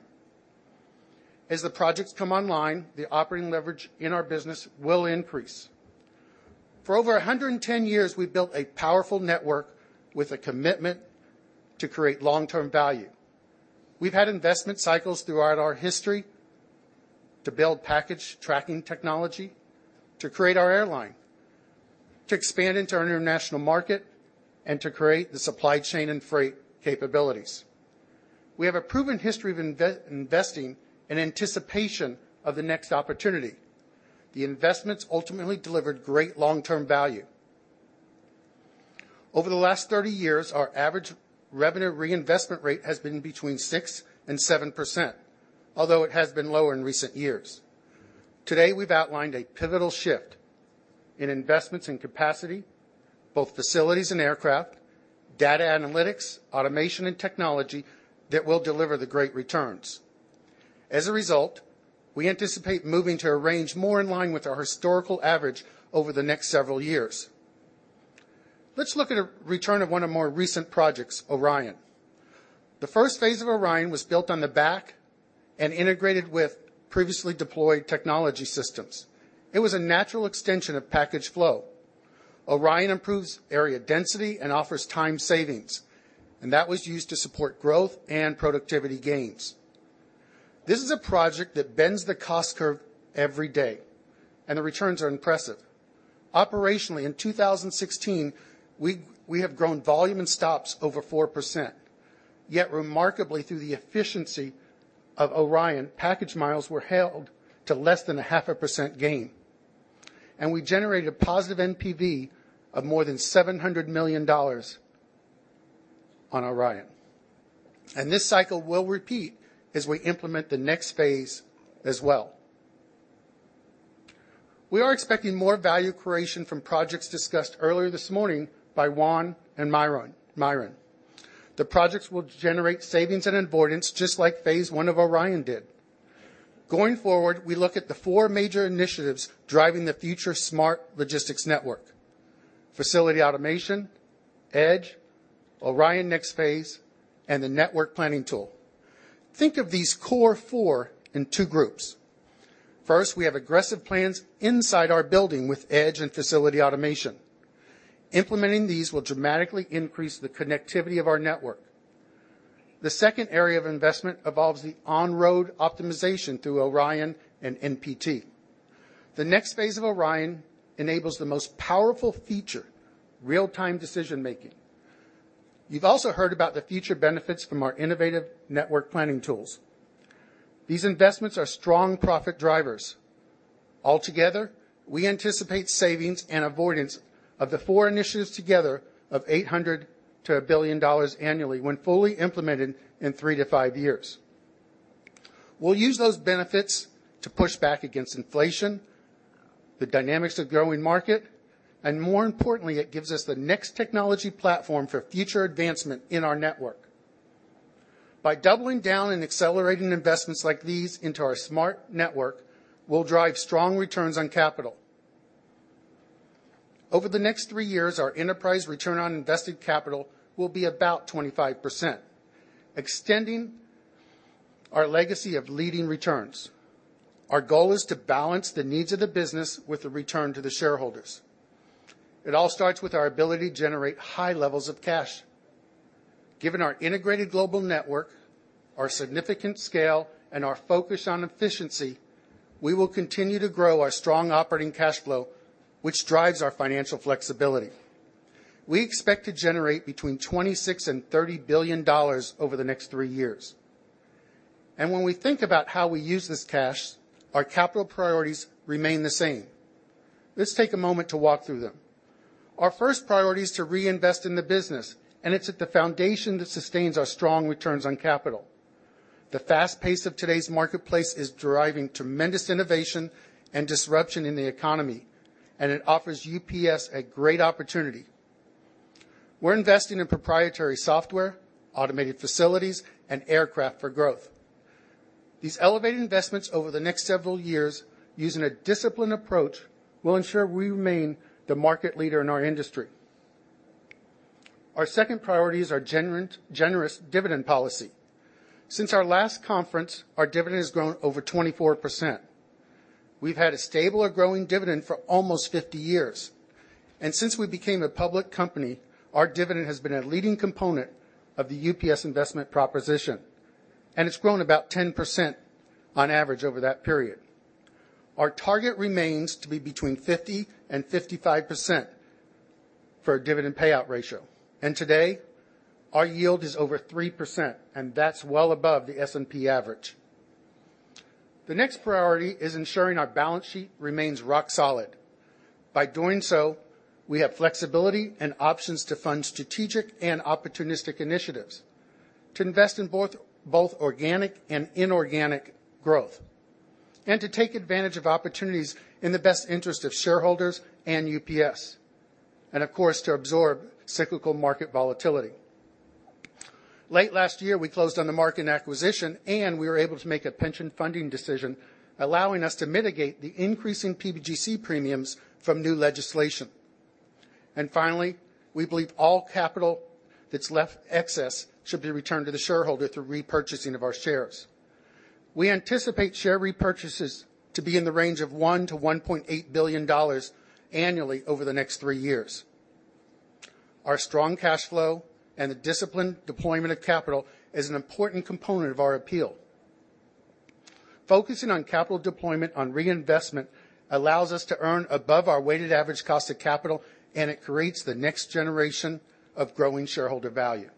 As the projects come online, the operating leverage in our business will increase. For over 110 years, we've built a powerful network with a commitment to create long-term value. We've had investment cycles throughout our history to build package tracking technology, to create our airline, to expand into our international market, and to create the supply chain and freight capabilities. We have a proven history of investing in anticipation of the next opportunity. The investments ultimately delivered great long-term value. Over the last 30 years, our average revenue reinvestment rate has been between 6% and 7%, although it has been lower in recent years. Today, we've outlined a pivotal shift in investments in capacity, both facilities and aircraft, data analytics, automation, and technology that will deliver the great returns. As a result, we anticipate moving to a range more in line with our historical average over the next several years. Let's look at a return of one of more recent projects, ORION. The first phase of ORION was built on the back and integrated with previously deployed technology systems. It was a natural extension of Package Flow. ORION improves area density and offers time savings, and that was used to support growth and productivity gains. This is a project that bends the cost curve every day, and the returns are impressive. Operationally, in 2016, we have grown volume and stops over 4%. Yet remarkably, through the efficiency of ORION, package miles were held to less than a half a percent gain, and we generated a positive NPV of more than $700 million on ORION. This cycle will repeat as we implement the next phase as well. We are expecting more value creation from projects discussed earlier this morning by Juan and Myron. The projects will generate savings and avoidance, just like phase one of ORION did. Going forward, we look at the four major initiatives driving the future smart logistics network: facility automation, EDGE, ORION next phase, and the network planning tool. Think of these core four in two groups. First, we have aggressive plans inside our building with EDGE and facility automation. Implementing these will dramatically increase the connectivity of our network. The second area of investment involves the on-road optimization through ORION and NPT. The next phase of ORION enables the most powerful feature, real-time decision making. You've also heard about the future benefits from our innovative network planning tools. These investments are strong profit drivers. Altogether, we anticipate savings and avoidance of the four initiatives together of $800 million to $1 billion annually when fully implemented in three to five years. We'll use those benefits to push back against inflation, the dynamics of growing market, and more importantly, it gives us the next technology platform for future advancement in our network. By doubling down and accelerating investments like these into our smart network, we'll drive strong returns on capital. Over the next three years, our enterprise return on invested capital will be about 25%, extending our legacy of leading returns. Our goal is to balance the needs of the business with the return to the shareholders. It all starts with our ability to generate high levels of cash. Given our integrated global network, our significant scale, and our focus on efficiency, we will continue to grow our strong operating cash flow, which drives our financial flexibility. We expect to generate between $26 billion and $30 billion over the next three years. When we think about how we use this cash, our capital priorities remain the same. Let's take a moment to walk through them. Our first priority is to reinvest in the business, and it's at the foundation that sustains our strong returns on capital. The fast pace of today's marketplace is driving tremendous innovation and disruption in the economy, and it offers UPS a great opportunity. We're investing in proprietary software, automated facilities, and aircraft for growth. These elevated investments over the next several years, using a disciplined approach, will ensure we remain the market leader in our industry. Our second priority is our generous dividend policy. Since our last conference, our dividend has grown over 24%. We've had a stable or growing dividend for almost 50 years, and since we became a public company, our dividend has been a leading component of the UPS investment proposition, and it's grown about 10% on average over that period. Our target remains to be between 50% and 55% for a dividend payout ratio. Today, our yield is over 3%, and that's well above the S&P average. The next priority is ensuring our balance sheet remains rock solid. By doing so, we have flexibility and options to fund strategic and opportunistic initiatives, to invest in both organic and inorganic growth, and to take advantage of opportunities in the best interest of shareholders and UPS, and of course, to absorb cyclical market volatility. Late last year, we closed on the Marken acquisition, and we were able to make a pension funding decision, allowing us to mitigate the increasing PBGC premiums from new legislation. Finally, we believe all capital that's left excess should be returned to the shareholder through repurchasing of our shares. We anticipate share repurchases to be in the range of $1 billion-$1.8 billion annually over the next three years. Our strong cash flow and the disciplined deployment of capital is an important component of our appeal. Focusing on capital deployment on reinvestment allows us to earn above our weighted average cost of capital, and it creates the next generation of growing shareholder value.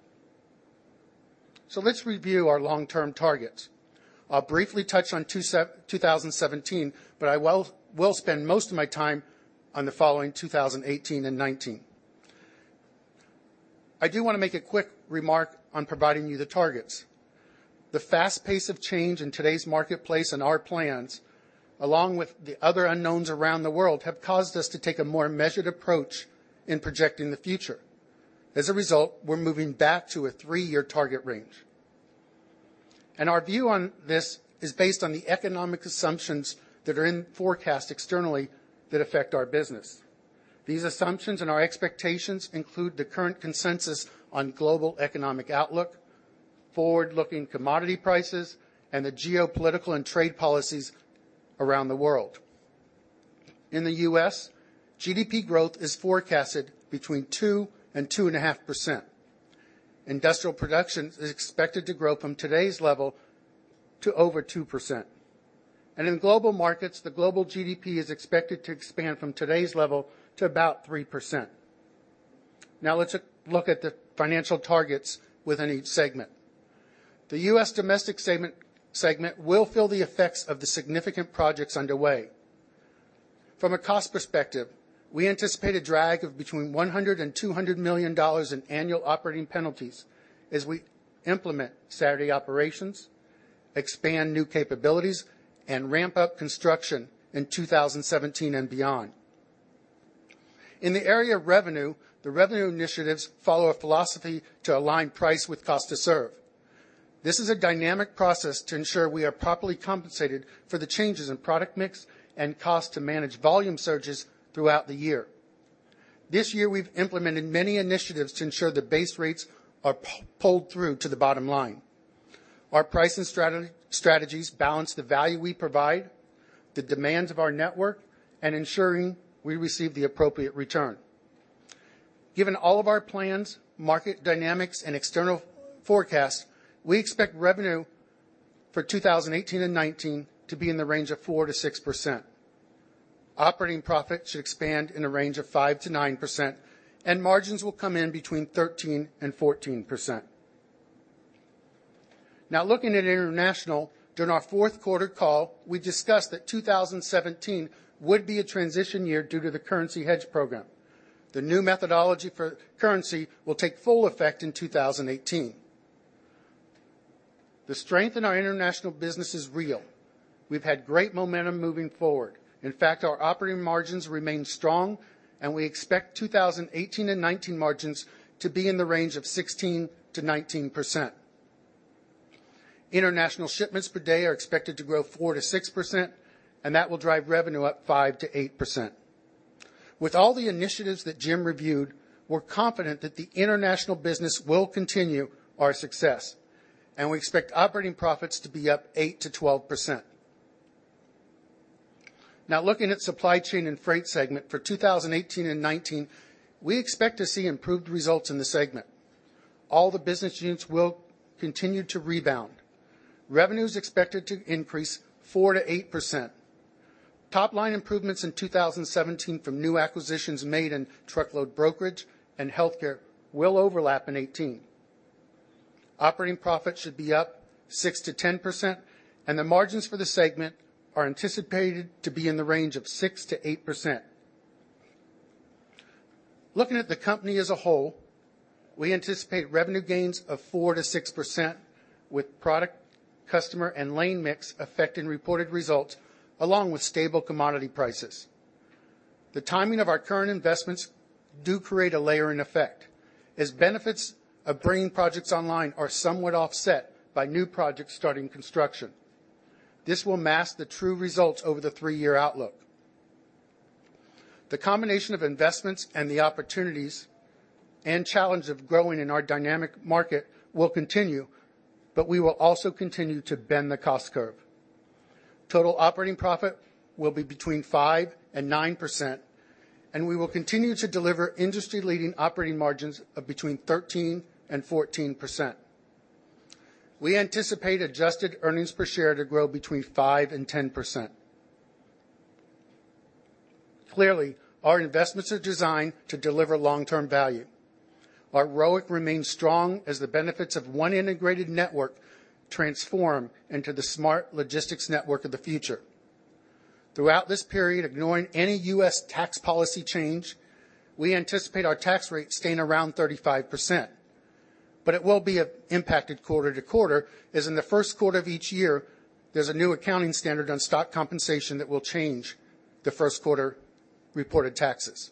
Let's review our long-term targets. I'll briefly touch on 2017, but I will spend most of my time on the following 2018 and 2019. I do want to make a quick remark on providing you the targets. The fast pace of change in today's marketplace and our plans, along with the other unknowns around the world, have caused us to take a more measured approach in projecting the future. As a result, we're moving back to a three-year target range. Our view on this is based on the economic assumptions that are in forecast externally that affect our business. These assumptions and our expectations include the current consensus on global economic outlook, forward-looking commodity prices, and the geopolitical and trade policies around the world. In the U.S., GDP growth is forecasted between 2% and 2.5%. Industrial production is expected to grow from today's level to over 2%. In global markets, the global GDP is expected to expand from today's level to about 3%. Let's look at the financial targets within each segment. The U.S. domestic segment will feel the effects of the significant projects underway. From a cost perspective, we anticipate a drag of between $100 and $200 million in annual operating penalties as we implement Saturday operations, expand new capabilities, and ramp up construction in 2017 and beyond. In the area of revenue, the revenue initiatives follow a philosophy to align price with cost to serve. This is a dynamic process to ensure we are properly compensated for the changes in product mix and cost to manage volume surges throughout the year. This year, we've implemented many initiatives to ensure that base rates are pulled through to the bottom line. Our pricing strategies balance the value we provide, the demands of our network, and ensuring we receive the appropriate return. Given all of our plans, market dynamics, and external forecasts, we expect revenue for 2018 and 2019 to be in the range of 4%-6%. Operating profit should expand in the range of 5%-9%, and margins will come in between 13% and 14%. Looking at international, during our fourth quarter call, we discussed that 2017 would be a transition year due to the currency hedge program. The new methodology for currency will take full effect in 2018. The strength in our international business is real. We've had great momentum moving forward. In fact, our operating margins remain strong, and we expect 2018 and 2019 margins to be in the range of 16%-19%. International shipments per day are expected to grow 4%-6%, and that will drive revenue up 5%-8%. With all the initiatives that Jim reviewed, we're confident that the international business will continue our success, and we expect operating profits to be up 8%-12%. Looking at supply chain and freight segment, for 2018 and 2019, we expect to see improved results in the segment. All the business units will continue to rebound. Revenue is expected to increase 4%-8%. Top-line improvements in 2017 from new acquisitions made in truckload brokerage and healthcare will overlap in 2018. Operating profit should be up 6%-10%, and the margins for the segment are anticipated to be in the range of 6%-8%. Looking at the company as a whole, we anticipate revenue gains of 4%-6% with product, customer, and lane mix affecting reported results, along with stable commodity prices. The timing of our current investments do create a layering effect, as benefits of bringing projects online are somewhat offset by new projects starting construction. This will mask the true results over the three-year outlook. The combination of investments and the opportunities and challenge of growing in our dynamic market will continue, but we will also continue to bend the cost curve. Total operating profit will be between 5% and 9%, and we will continue to deliver industry-leading operating margins of between 13% and 14%. We anticipate adjusted earnings per share to grow between 5% and 10%. Clearly, our investments are designed to deliver long-term value. Our ROIC remains strong as the benefits of one integrated network transform into the smart logistics network of the future. Throughout this period, ignoring any U.S. tax policy change, we anticipate our tax rate staying around 35%, but it will be impacted quarter-to-quarter, as in the first quarter of each year, there's a new accounting standard on stock compensation that will change the first quarter reported taxes.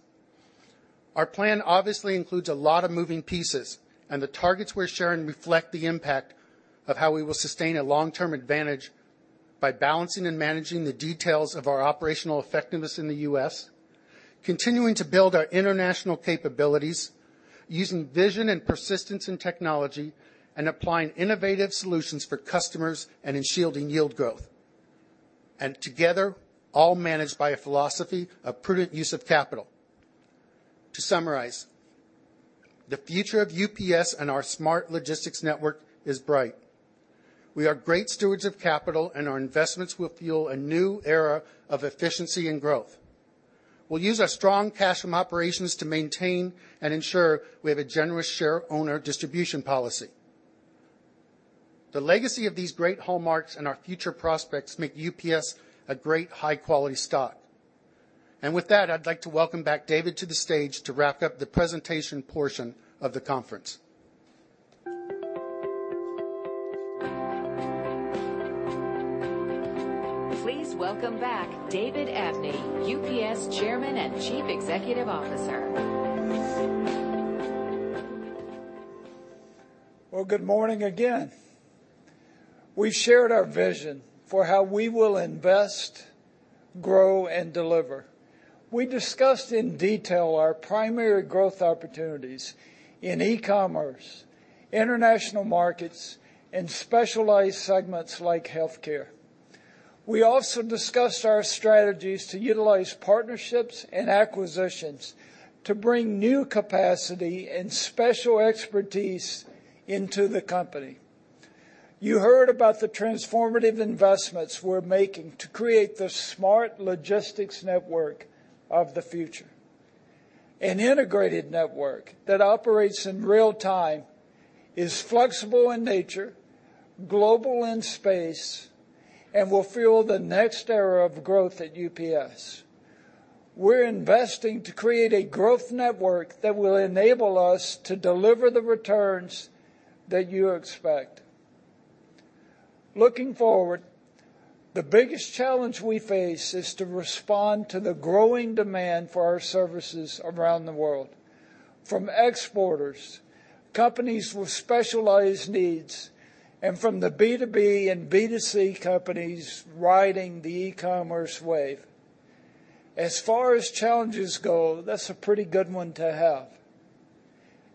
Our plan obviously includes a lot of moving pieces. The targets we're sharing reflect the impact of how we will sustain a long-term advantage by balancing and managing the details of our operational effectiveness in the U.S., continuing to build our international capabilities, using vision and persistence in technology, and applying innovative solutions for customers and in shielding yield growth. Together, all managed by a philosophy of prudent use of capital. To summarize, the future of UPS and our smart logistics network is bright. We are great stewards of capital, and our investments will fuel a new era of efficiency and growth. We'll use our strong cash from operations to maintain and ensure we have a generous shareowner distribution policy. The legacy of these great hallmarks and our future prospects make UPS a great high-quality stock. With that, I'd like to welcome back David to the stage to wrap up the presentation portion of the conference. Please welcome back David Abney, UPS Chairman and Chief Executive Officer. Well, good morning again. We've shared our vision for how we will invest, grow, and deliver. We discussed in detail our primary growth opportunities in e-commerce, international markets, and specialized segments like healthcare. We also discussed our strategies to utilize partnerships and acquisitions to bring new capacity and special expertise into the company. You heard about the transformative investments we're making to create the smart logistics network of the future. An integrated network that operates in real time, is flexible in nature, global in space, and will fuel the next era of growth at UPS. We're investing to create a growth network that will enable us to deliver the returns that you expect. Looking forward, the biggest challenge we face is to respond to the growing demand for our services around the world. From exporters, companies with specialized needs, and from the B2B and B2C companies riding the e-commerce wave. As far as challenges go, that's a pretty good one to have,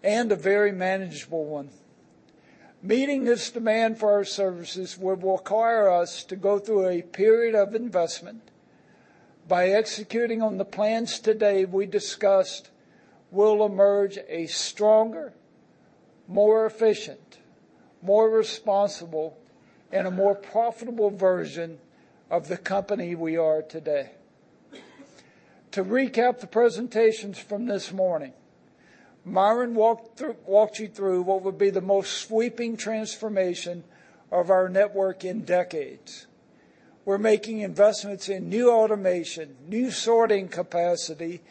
and a very manageable one. Meeting this demand for our services will require us to go through a period of investment. By executing on the plans today we discussed, we'll emerge a stronger, more efficient, more responsible, and a more profitable version of the company we are today. To recap the presentations from this morning, Myron Gray walked you through what would be the most sweeping transformation of our network in decades. We're making investments in new automation, new sorting capacity,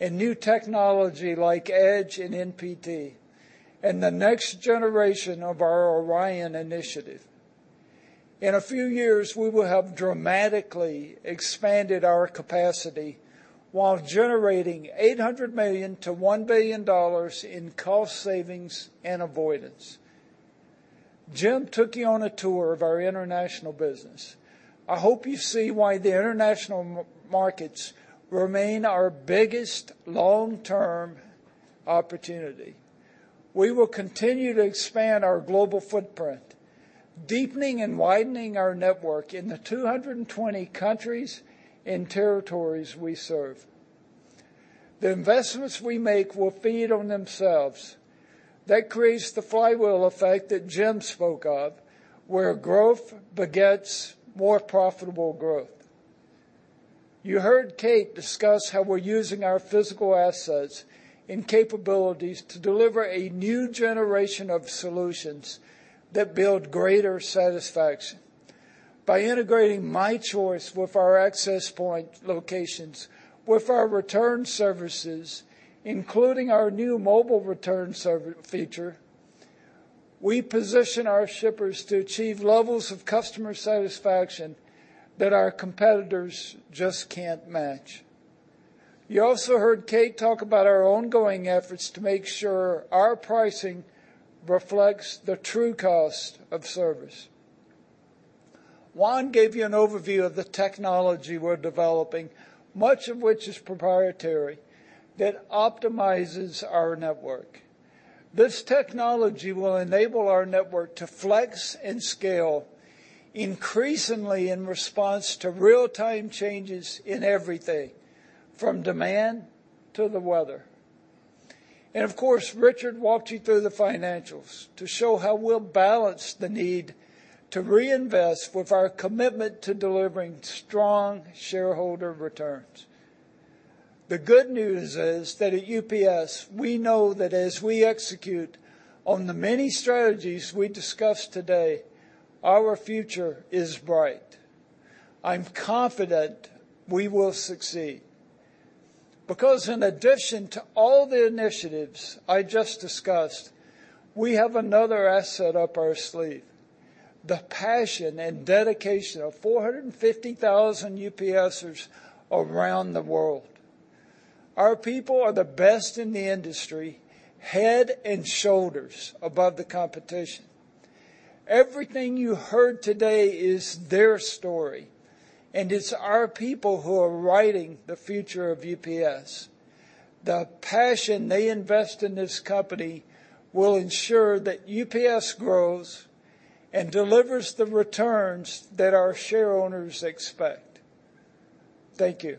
and new technology like EDGE and NPT, and the next generation of our ORION initiative. In a few years, we will have dramatically expanded our capacity while generating $800 million-$1 billion in cost savings and avoidance. Jim Barber took you on a tour of our international business. I hope you see why the international markets remain our biggest long-term opportunity. We will continue to expand our global footprint, deepening and widening our network in the 220 countries and territories we serve. The investments we make will feed on themselves. That creates the flywheel effect that Jim Barber spoke of, where growth begets more profitable growth. You heard Kate Gutmann discuss how we're using our physical assets and capabilities to deliver a new generation of solutions that build greater satisfaction. By integrating UPS My Choice with our UPS Access Point locations, with our return services, including our new UPS Mobile Returns feature, we position our shippers to achieve levels of customer satisfaction that our competitors just can't match. You also heard Kate Gutmann talk about our ongoing efforts to make sure our pricing reflects the true cost of service. Juan Perez gave you an overview of the technology we're developing, much of which is proprietary, that optimizes our network. This technology will enable our network to flex and scale increasingly in response to real-time changes in everything, from demand to the weather. Of course, Richard Peretz walked you through the financials to show how we'll balance the need to reinvest with our commitment to delivering strong shareholder returns. The good news is that at UPS, we know that as we execute on the many strategies we discussed today, our future is bright. I'm confident we will succeed. In addition to all the initiatives I just discussed, we have another asset up our sleeve, the passion and dedication of 450,000 UPSers around the world. Our people are the best in the industry, head and shoulders above the competition. Everything you heard today is their story, and it's our people who are writing the future of UPS. The passion they invest in this company will ensure that UPS grows and delivers the returns that our shareowners expect. Thank you.